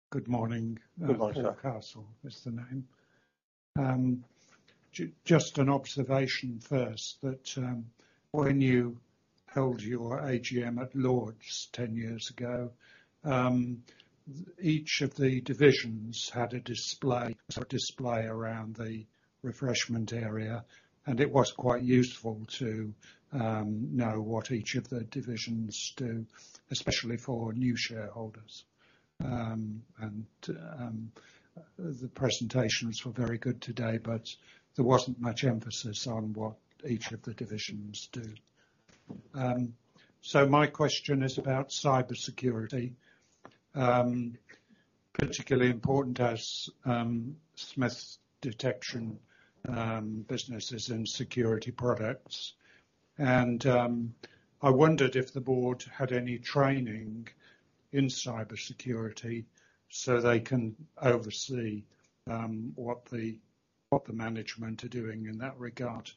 Good morning. Good morning, sir. Paul Castle is the name. Just an observation first that, when you held your AGM at Lords 10 years ago, each of the divisions had a display, sort of display around the refreshment area, and it was quite useful to know what each of the divisions do, especially for new shareholders. The presentations were very good today, but there wasn't much emphasis on what each of the divisions do. My question is about cybersecurity, particularly important as Smiths Detection businesses and security products. I wondered if the board had any training in cybersecurity so they can oversee what the management are doing in that regard.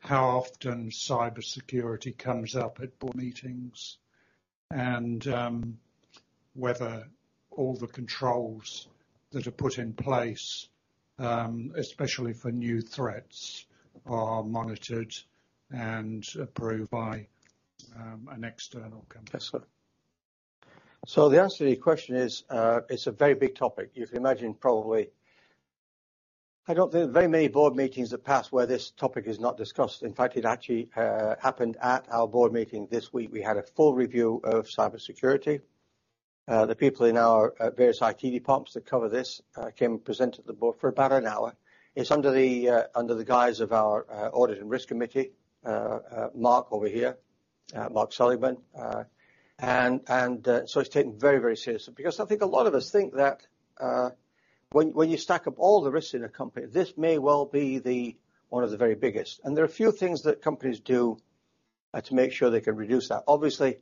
How often cybersecurity comes up at board meetings and whether all the controls that are put in place, especially for new threats, are monitored and approved by an external company? Yes, sir. The answer to your question isnit's a very big topic. If you imagine, I don't think very many board meetings have passed where this topic is not discussed. In fact, it actually happened at our board meeting this week. We had a full review of cybersecurity. The people in our various IT departments that cover this came and presented to the board for about an hour. It's under the guise of our Audit & Risk Committee, Mark over here, Mark Seligman. It's taken very, very seriously because I think a lot of us think that, when you stack up all the risks in a company, this may well be one of the very biggest. There are a few things that companies do to make sure they can reduce that. Obviously,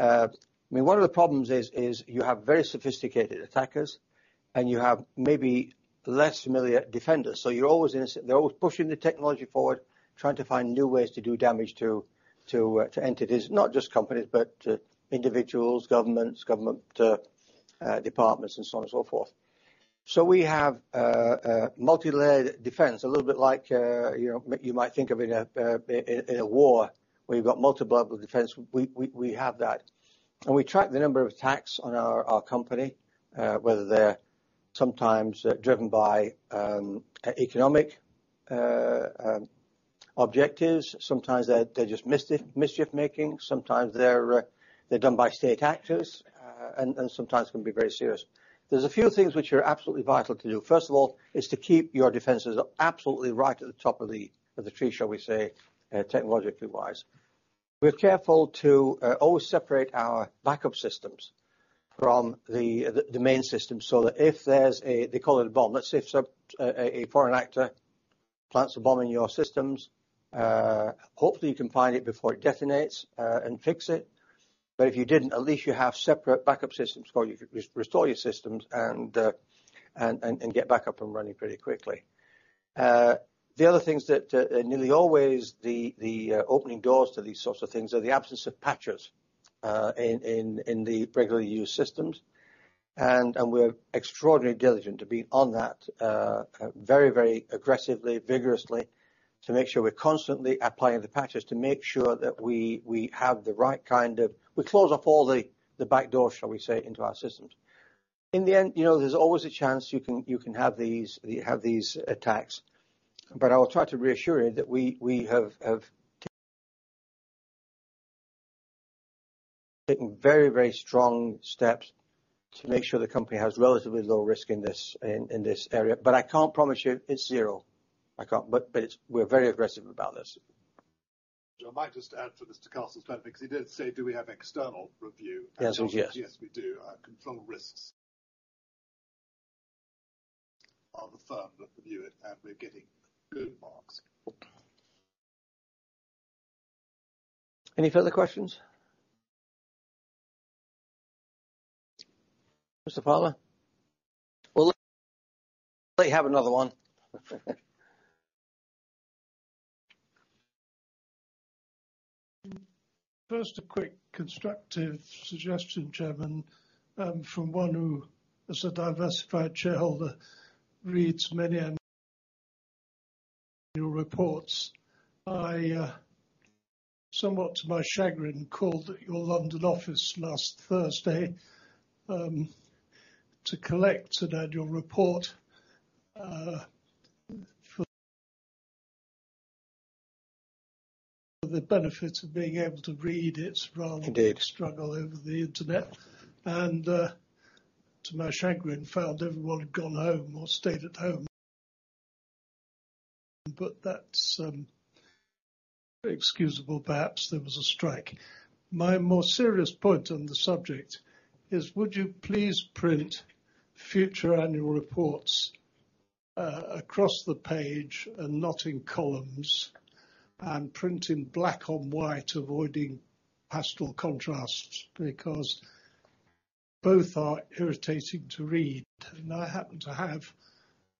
I mean one of the problems is you have very sophisticated attackers, and you have maybe less familiar defenders. They're always pushing the technology forward, trying to find new ways to do damage to entities, not just companies, but to individuals, governments, government departments and so on and so forth. We have a multilayer defense, a little bit like you know, you might think of in a war where you've got multiple defense. We have that and we track the number of attacks on our company, whether they're sometimes driven by economic objectives. Sometimes they're just mischief making. Sometimes they're done by state actors and sometimes can be very serious. There's a few things which are absolutely vital to do. First of all is to keep your defenses absolutely right at the top of the tree, shall we say, technologically wise. We're careful to always separate our backup systems from the main system, so that if there's a bomb. They call it a bomb. Let's say if a foreign actor plants a bomb in your systems, hopefully you can find it before it detonates, and fix it. If you didn't, at least you have separate backup systems so you can restore your systems and get back up and running pretty quickly. The other things that nearly always the opening doors to these sorts of things are the absence of patches in the regularly used systems. We're extraordinarily diligent to being on that very aggressively, vigorously to make sure we're constantly applying the patches, to make sure that we have the right kind of. We close off all the back doors, shall we say, into our systems. In the end, you know, there's always a chance you can have these attacks. I will try to reassure you that we have taken very strong steps to make sure the company has relatively low risk in this area. I can't promise you it's zero. I can't. It's we're very aggressive about this. I might just add for Mr. Castle's benefit, because he did say, "do we have external review? The answer is yes. Yes, we do. Control Risks, the firm that reviews it and we're getting good marks. Any further questions? Mr. Palmer? Well, let me have another one. First, a quick constructive suggestion, Chairman, from one who, as a diversified shareholder, reads many annual reports. I, somewhat to my chagrin, called at your London office last Thursday. To collect an annual report for the benefit of being able to read it rather than struggle over the internet. To my chagrin, found everyone had gone home or stayed at home. That's excusable perhaps, there was a strike. My more serious point on the subject is would you please print future annual reports across the page and not in columns and print in black on white avoiding pastel contrasts, because both are irritating to read. I happen to have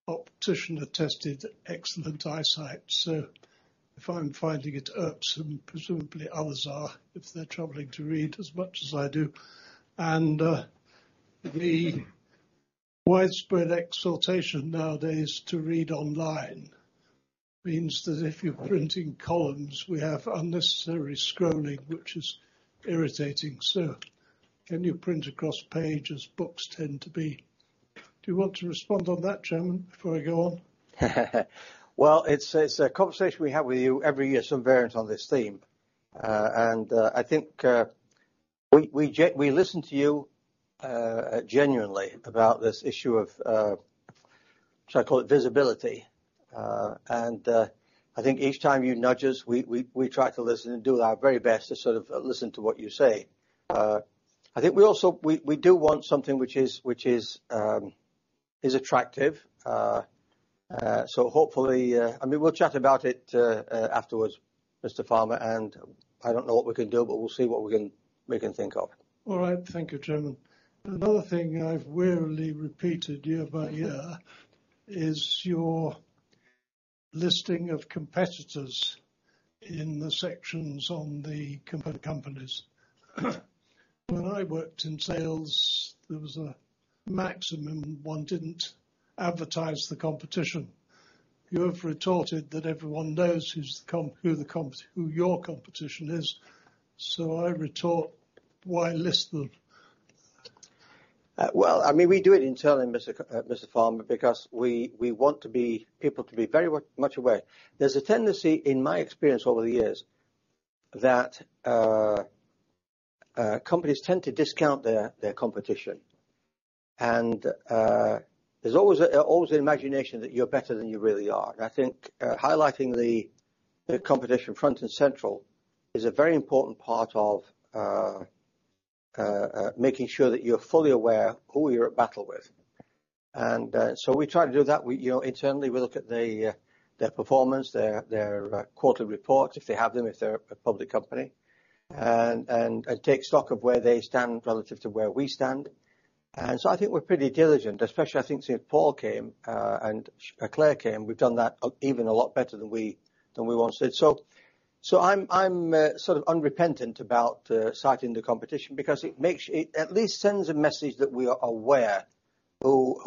optician-attested excellent eyesight, so if I'm finding it irks then presumably others are, if they're troubling to read as much as I do. The widespread exhortation nowadays to read online means that if you're printing columns, we have unnecessary scrolling, which is irritating. Can you print across pages, books tend to be. Do you want to respond on that Chairman, before I go on? Well, it's a conversation we have with you every year, some variant on this theme. I think we listen to you genuinely about this issue of, shall I call it visibility. I think each time you nudge us, we try to listen and do our very best to sort of listen to what you say. I think we also do want something which is attractive. Hopefully, I mean, we'll chat about it afterwards Mr. Farmer, and I don't know what we can do, but we'll see what we can think of. All right. Thank you, Chairman. Another thing I've wearily repeated year by year is your listing of competitors in the sections on the companies. When I worked in sales, there was a maxim, one didn't advertise the competition. You have retorted that everyone knows who your competition is. I retort, why list them? Well, I mean we do it internally Mr. Farmer, because we want people to be very much aware. There's a tendency, in my experience over the years, that companies tend to discount their competition. There's always the imagination that you're better than you really are. I think highlighting the competition front and center is a very important part of making sure that you're fully aware who you're battling with. We try to do that. You know, internally, we look at their performance, their quarterly reports, if they have them, if they're a public company and take stock of where they stand relative to where we stand. I think we're pretty diligent. Especially, I think since Paul came and Clare came, we've done that even a lot better than we once did. I'm sort of unrepentant about citing the competition because it makes it. It at least sends a message that we are aware who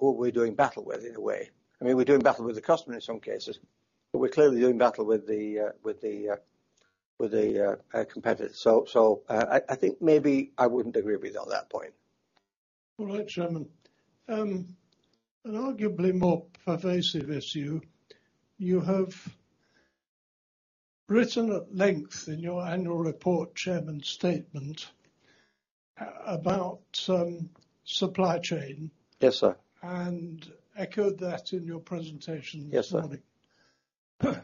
we're doing battle with, in a way. I mean we're doing battle with the customer in some cases, but we're clearly doing battle with the competitors. I think maybe I wouldn't agree with you on that point. All right, Chairman. An arguably more pervasive issue, you have written at length in your annual report, chairman's statement about supply chain. Yes, sir. Echoed that in your presentation this morning. Yes, sir.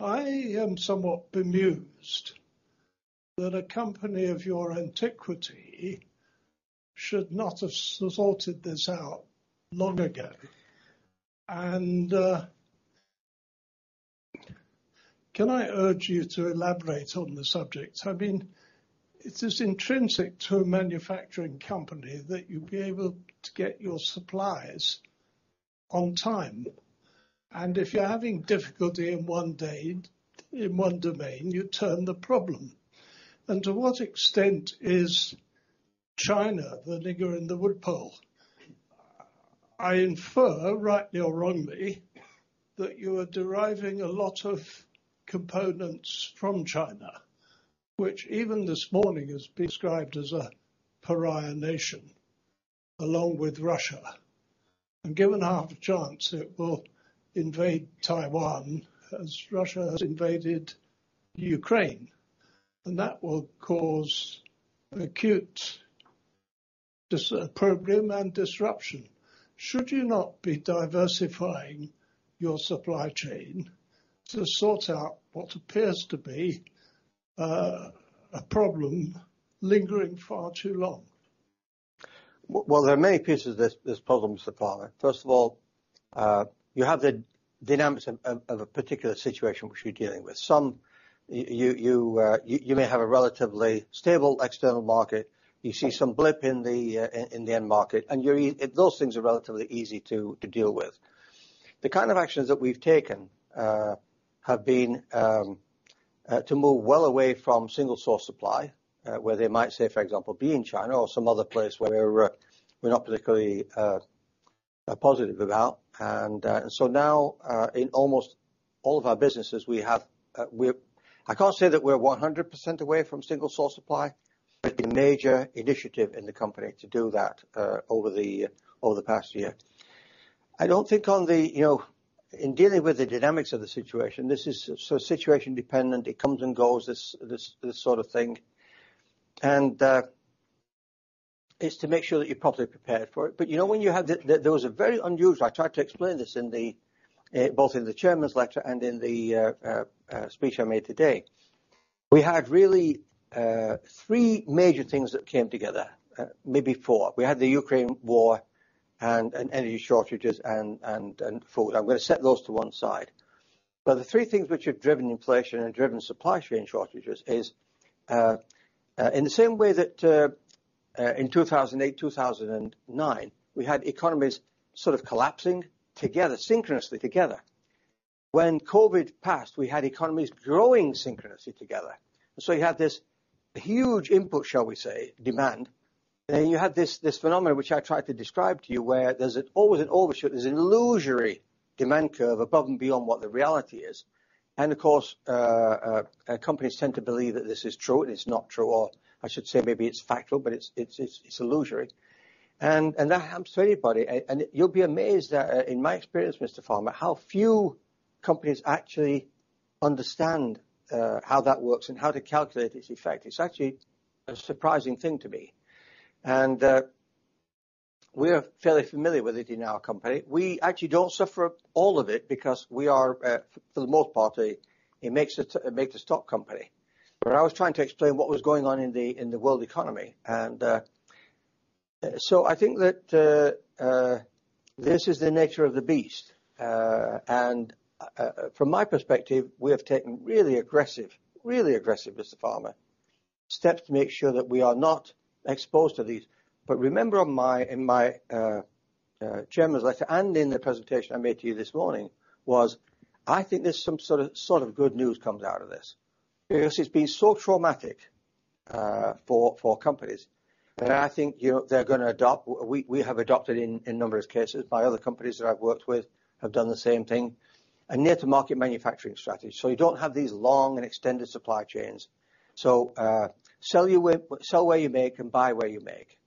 I am somewhat bemused that a company of your antiquity should not have sorted this out long ago. Can I urge you to elaborate on the subject? I mean it is intrinsic to a manufacturing company that you be able to get your supplies on time. If you're having difficulty in one day, in one domain, you turn the problem. To what extent is China the nigger in the woodpile? I infer, rightly or wrongly, that you are deriving a lot of components from China, which even this morning is described as a pariah nation, along with Russia. Given half a chance, it will invade Taiwan as Russia has invaded Ukraine, and that will cause acute problem and disruption. Should you not be diversifying your supply chain to sort out what appears to be a problem lingering far too long? Well there are many pieces to this problem, Mr. Farmer. First of all, you have the dynamics of a particular situation which you're dealing with. Sometimes you may have a relatively stable external market. You see some blip in the end market, and those things are relatively easy to deal with. The kind of actions that we've taken have been to move well away from single source supply, where they might, say, for example, be in China or some other place where we're not particularly positive about. So now in almost all of our businesses, we have I can't say that we're 100% away from single-source supply, but a major initiative in the company to do that over the past year. I don't think on the, you know, in dealing with the dynamics of the situation, this is so situation dependent, it comes and goes, this sort of thing, and is to make sure that you're properly prepared for it. You know when you have the, there was a very unusual. I tried to explain this in the both in the Chairman's letter and in the speech I made today. We had really 3 major things that came together, maybe 4. We had the Ukraine war and energy shortages and food. I'm gonna set those to one side. The three things which have driven inflation and driven supply chain shortages is, in the same way that, in 2008, 2009, we had economies sort of collapsing together, synchronously together. When COVID passed, we had economies growing synchronously together. You had this huge input, shall we say, demand. You had this phenomenon which I tried to describe to you, where there's always an overshoot, there's an illusory demand curve above and beyond what the reality is. Of course, companies tend to believe that this is true, and it's not true. Or I should say maybe it's factual but it's illusory. That happens to anybody. You'll be amazed that in my experience, Mr. Farmer, how few companies actually understand how that works and how to calculate its effect. It's actually a surprising thing to me. We're fairly familiar with it in our company. We actually don't suffer all of it because we are, for the most part, a make to stock company. I was trying to explain what was going on in the world economy. I think that this is the nature of the beast. From my perspective, we have taken really aggressive, Mr. Farmer, steps to make sure that we are not exposed to these. Remember in my Chairman's letter and in the presentation I made to you this morning was, I think there's some sort of good news comes out of this. Because it's been so traumatic for companies. I think, you know, they're gonna adopt, we have adopted in numerous cases, by other companies that I've worked with have done the same thing, a near to market manufacturing strategy. You don't have these long and extended supply chains. Sell where you make and buy where you make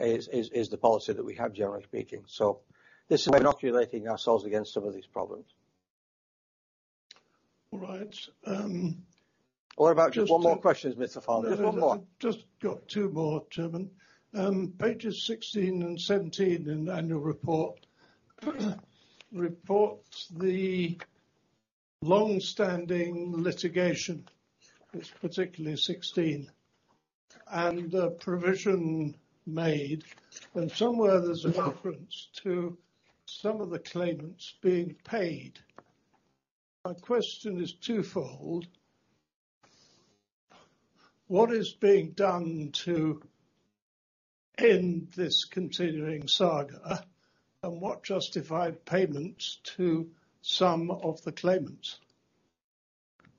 is the policy that we have, generally speaking. This is inoculating ourselves against some of these problems. All right. What about just one more question, Mr. Farmer? Just one more. Just got two more, Chairman. Pages 16 and 17 in the annual report reports the longstanding litigation, it's particularly 16, and the provision made, and somewhere there's a reference to some of the claimants being paid. My question is twofold. What is being done to end this continuing saga? And what justified payments to some of the claimants?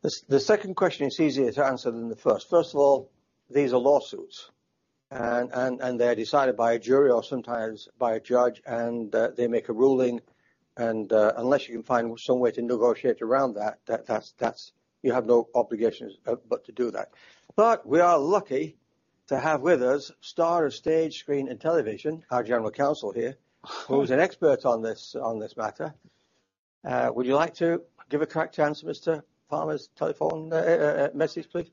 This, the second question is easier to answer than the first. First of all, these are lawsuits, and they are decided by a jury or sometimes by a judge, and they make a ruling. Unless you can find some way to negotiate around that. You have no obligations but to do that. We are lucky to have with us star of stage, screen, and television, our general counsel here, who is an expert on this matter. Would you like to give a correct answer, Mr. Farmer's telephone message, please?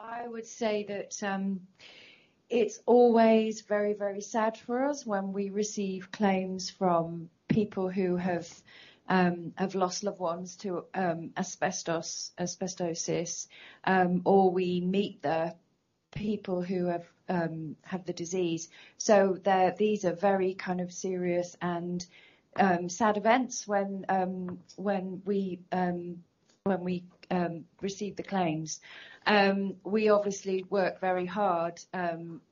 I would say that it's always very, very sad for us when we receive claims from people who have lost loved ones to asbestos, asbestosis, or we meet the people who have the disease. These are very kind of serious and sad events when we receive the claims. We obviously work very hard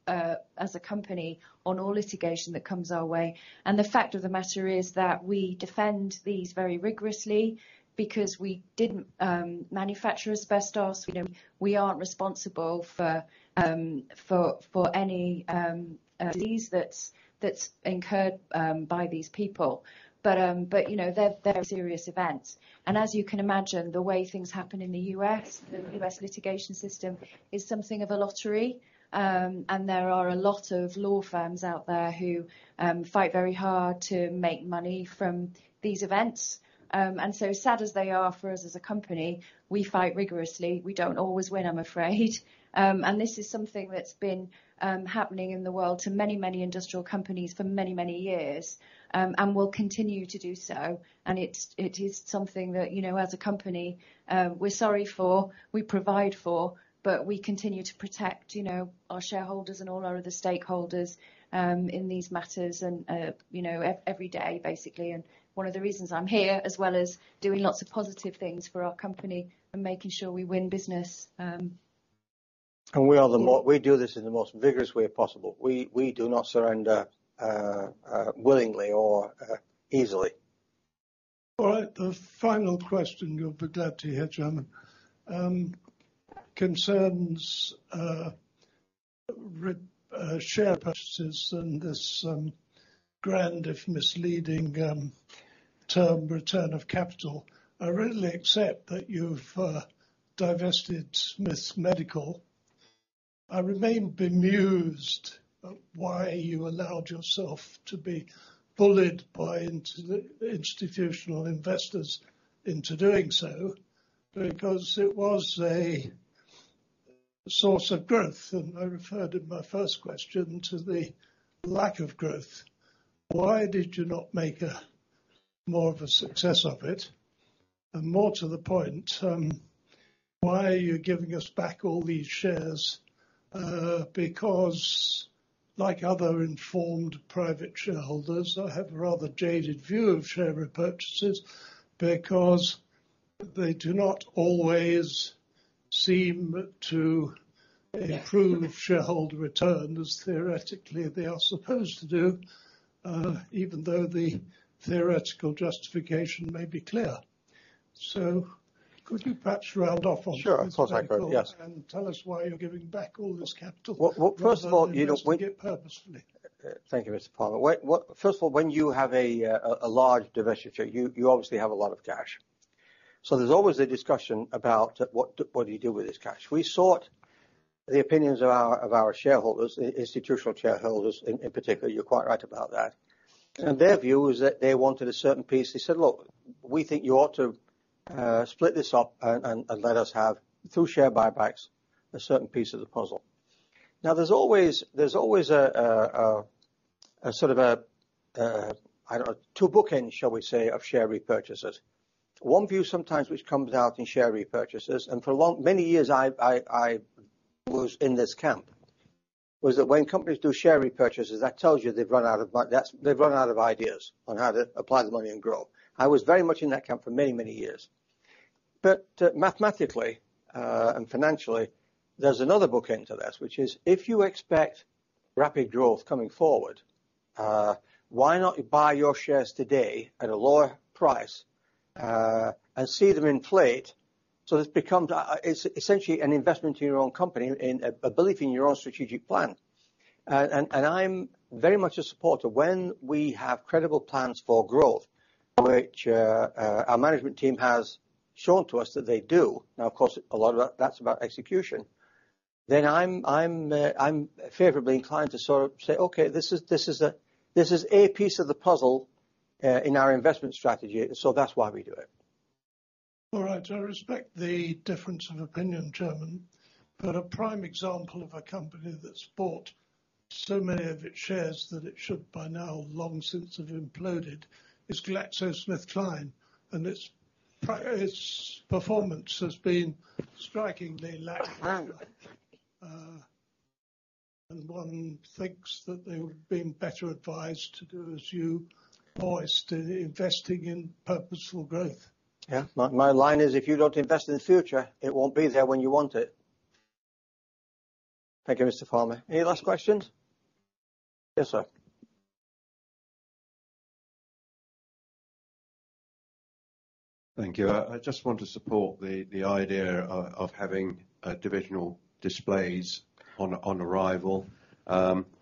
as a company on all litigation that comes our way. The fact of the matter is that we defend these very rigorously because we didn't manufacture asbestos. We don't, we aren't responsible for any disease that's incurred by these people. You know, they're serious events. As you can imagine, the way things happen in the U.S., the U.S. litigation system is something of a lottery. There are a lot of law firms out there who fight very hard to make money from these events. Sad as they are for us as a company, we fight rigorously. We don't always win, I'm afraid. This is something that's been happening in the world to many, many industrial companies for many, many years and will continue to do so. It is something that, you know, as a company, we're sorry for, we provide for, but we continue to protect, you know, our shareholders and all our other stakeholders in these matters and, you know, every day, basically. One of the reasons I'm here, as well as doing lots of positive things for our company and making sure we win business. We do this in the most vigorous way possible. We do not surrender willingly or easily. All right, the final question, you'll be glad to hear Chairman, concerns share purchases and this grand if misleading term return of capital. I readily accept that you've divested Smiths Medical. I remain bemused at why you allowed yourself to be bullied by institutional investors into doing so, because it was a source of growth. I referred in my first question to the lack of growth. Why did you not make more of a success of it? More to the point, why are you giving us back all these shares? Because like other informed private shareholders, I have a rather jaded view of share repurchases because they do not always seem to improve shareholder returns as theoretically they are supposed to do, even though the theoretical justification may be clear. Could you perhaps round off on - Sure. Of course I could. Yes. Tell us why you're giving back all this capital - Well, first of all, you know, when - Purposefully. Thank you, Mr. Palmer. Well first of all, when you have a large divestiture, you obviously have a lot of cash. So there's always a discussion about what do you do with this cash. We sought the opinions of our shareholders, institutional shareholders in particular, you're quite right about that. Their view is that they wanted a certain piece. They said, "Look, we think you ought to split this up and let us have, through share buybacks, a certain piece of the puzzle." Now, there's always a sort of a, I don't know, two bookends, shall we say, of share repurchases. One view sometimes which comes out in share repurchases, and for a long many years, I was in this camp, was that when companies do share repurchases, that tells you they've run out of ideas on how to apply the money and grow. I was very much in that camp for many, many years. Mathematically and financially, there's another bookend to this, which is if you expect rapid growth coming forward, why not buy your shares today at a lower price, and see them inflate. This becomes, it's essentially an investment in your own company and a belief in your own strategic plan. I'm very much a supporter when we have credible plans for growth, which, our management team has shown to us that they do. Now, of course, a lot of that's about execution. I'm favorably inclined to sort of say, "Okay, this is a piece of the puzzle in our investment strategy." That's why we do it. All right. I respect the difference of opinion, Chairman, but a prime example of a company that's bought so many of its shares that it should by now, long since have imploded is GlaxoSmithKline, and its performance has been strikingly lacking and one thinks that they would have been better advised to do as you voiced, investing in purposeful growth. Yeah. My line is if you don't invest in the future, it won't be there when you want it. Thank you, Mr. Palmer. Any last questions? Yes, sir. Thank you. I just want to support the idea of having divisional displays on arrival.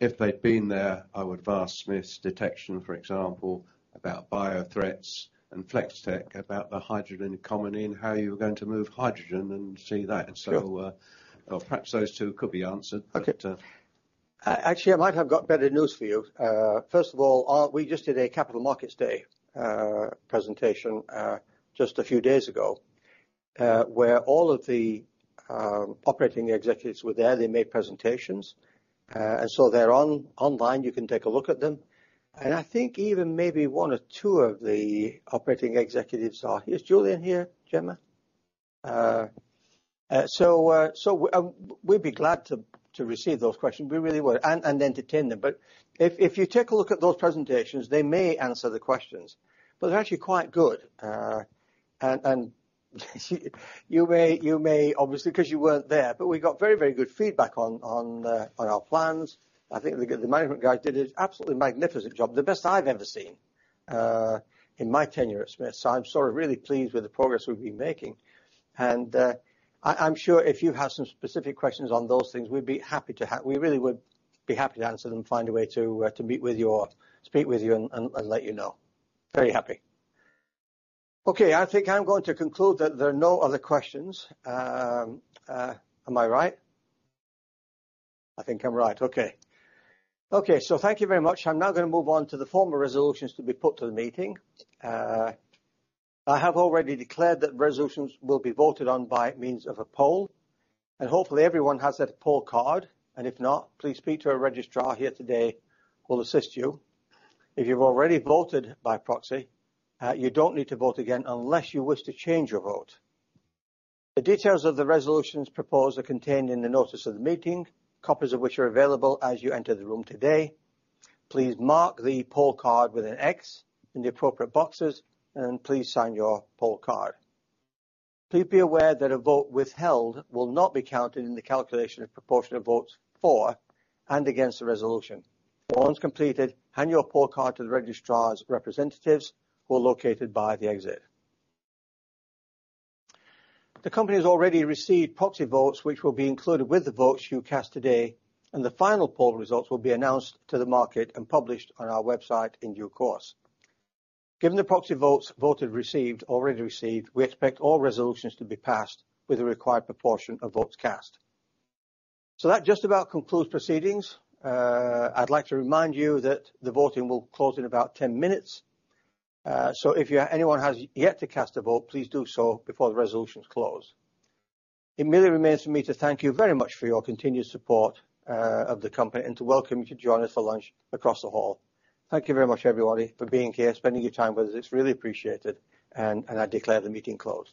If they'd been there, I would ask Smiths Detection, for example, about biothreats and Flex-Tek about the hydrogen economy and how you were going to move hydrogen and see that. Sure. Perhaps those two could be answered. Okay. But, uh- Actually, I might have got better news for you. First of all, we just did a capital markets day presentation just a few days ago, where all of the operating executives were there. They made presentations. They're online, you can take a look at them. I think even maybe one or two of the operating executives are - is Julian here, Gemma? We'd be glad to receive those questions. We really would and entertain them. If you take a look at those presentations, they may answer the questions, but they're actually quite good. You may, obviously because you weren't there, but we got very good feedback on our plans. I think the management guys did an absolutely magnificent job. The best I've ever seen in my tenure at Smiths. I'm sort of really pleased with the progress we've been making. I'm sure if you have some specific questions on those things, we really would be happy to answer them, find a way to meet with you or speak with you and let you know. Very happy. Okay, I think I'm going to conclude that there are no other questions. Am I right? I think I'm right. Okay, thank you very much. I'm now gonna move on to the formal resolutions to be put to the meeting. I have already declared that resolutions will be voted on by means of a poll, and hopefully everyone has that poll card. If not, please speak to our registrar here today, who will assist you. If you've already voted by proxy, you don't need to vote again unless you wish to change your vote. The details of the resolutions proposed are contained in the notice of the meeting, copies of which are available as you entered the room today. Please mark the poll card with an X in the appropriate boxes, and please sign your poll card. Please be aware that a vote withheld will not be counted in the calculation of proportionate votes for and against the resolution. Once completed, hand your poll card to the registrar's representatives who are located by the exit. The company has already received proxy votes, which will be included with the votes you cast today. The final poll results will be announced to the market and published on our website in due course. Given the proxy votes already received, we expect all resolutions to be passed with the required proportion of votes cast. That just about concludes proceedings. I'd like to remind you that the voting will close in about 10 minutes. If anyone has yet to cast a vote, please do so before the resolutions close. It merely remains for me to thank you very much for your continued support of the company and to welcome you to join us for lunch across the hall. Thank you very much, everybody, for being here, spending your time with us. It's really appreciated. I declare the meeting closed.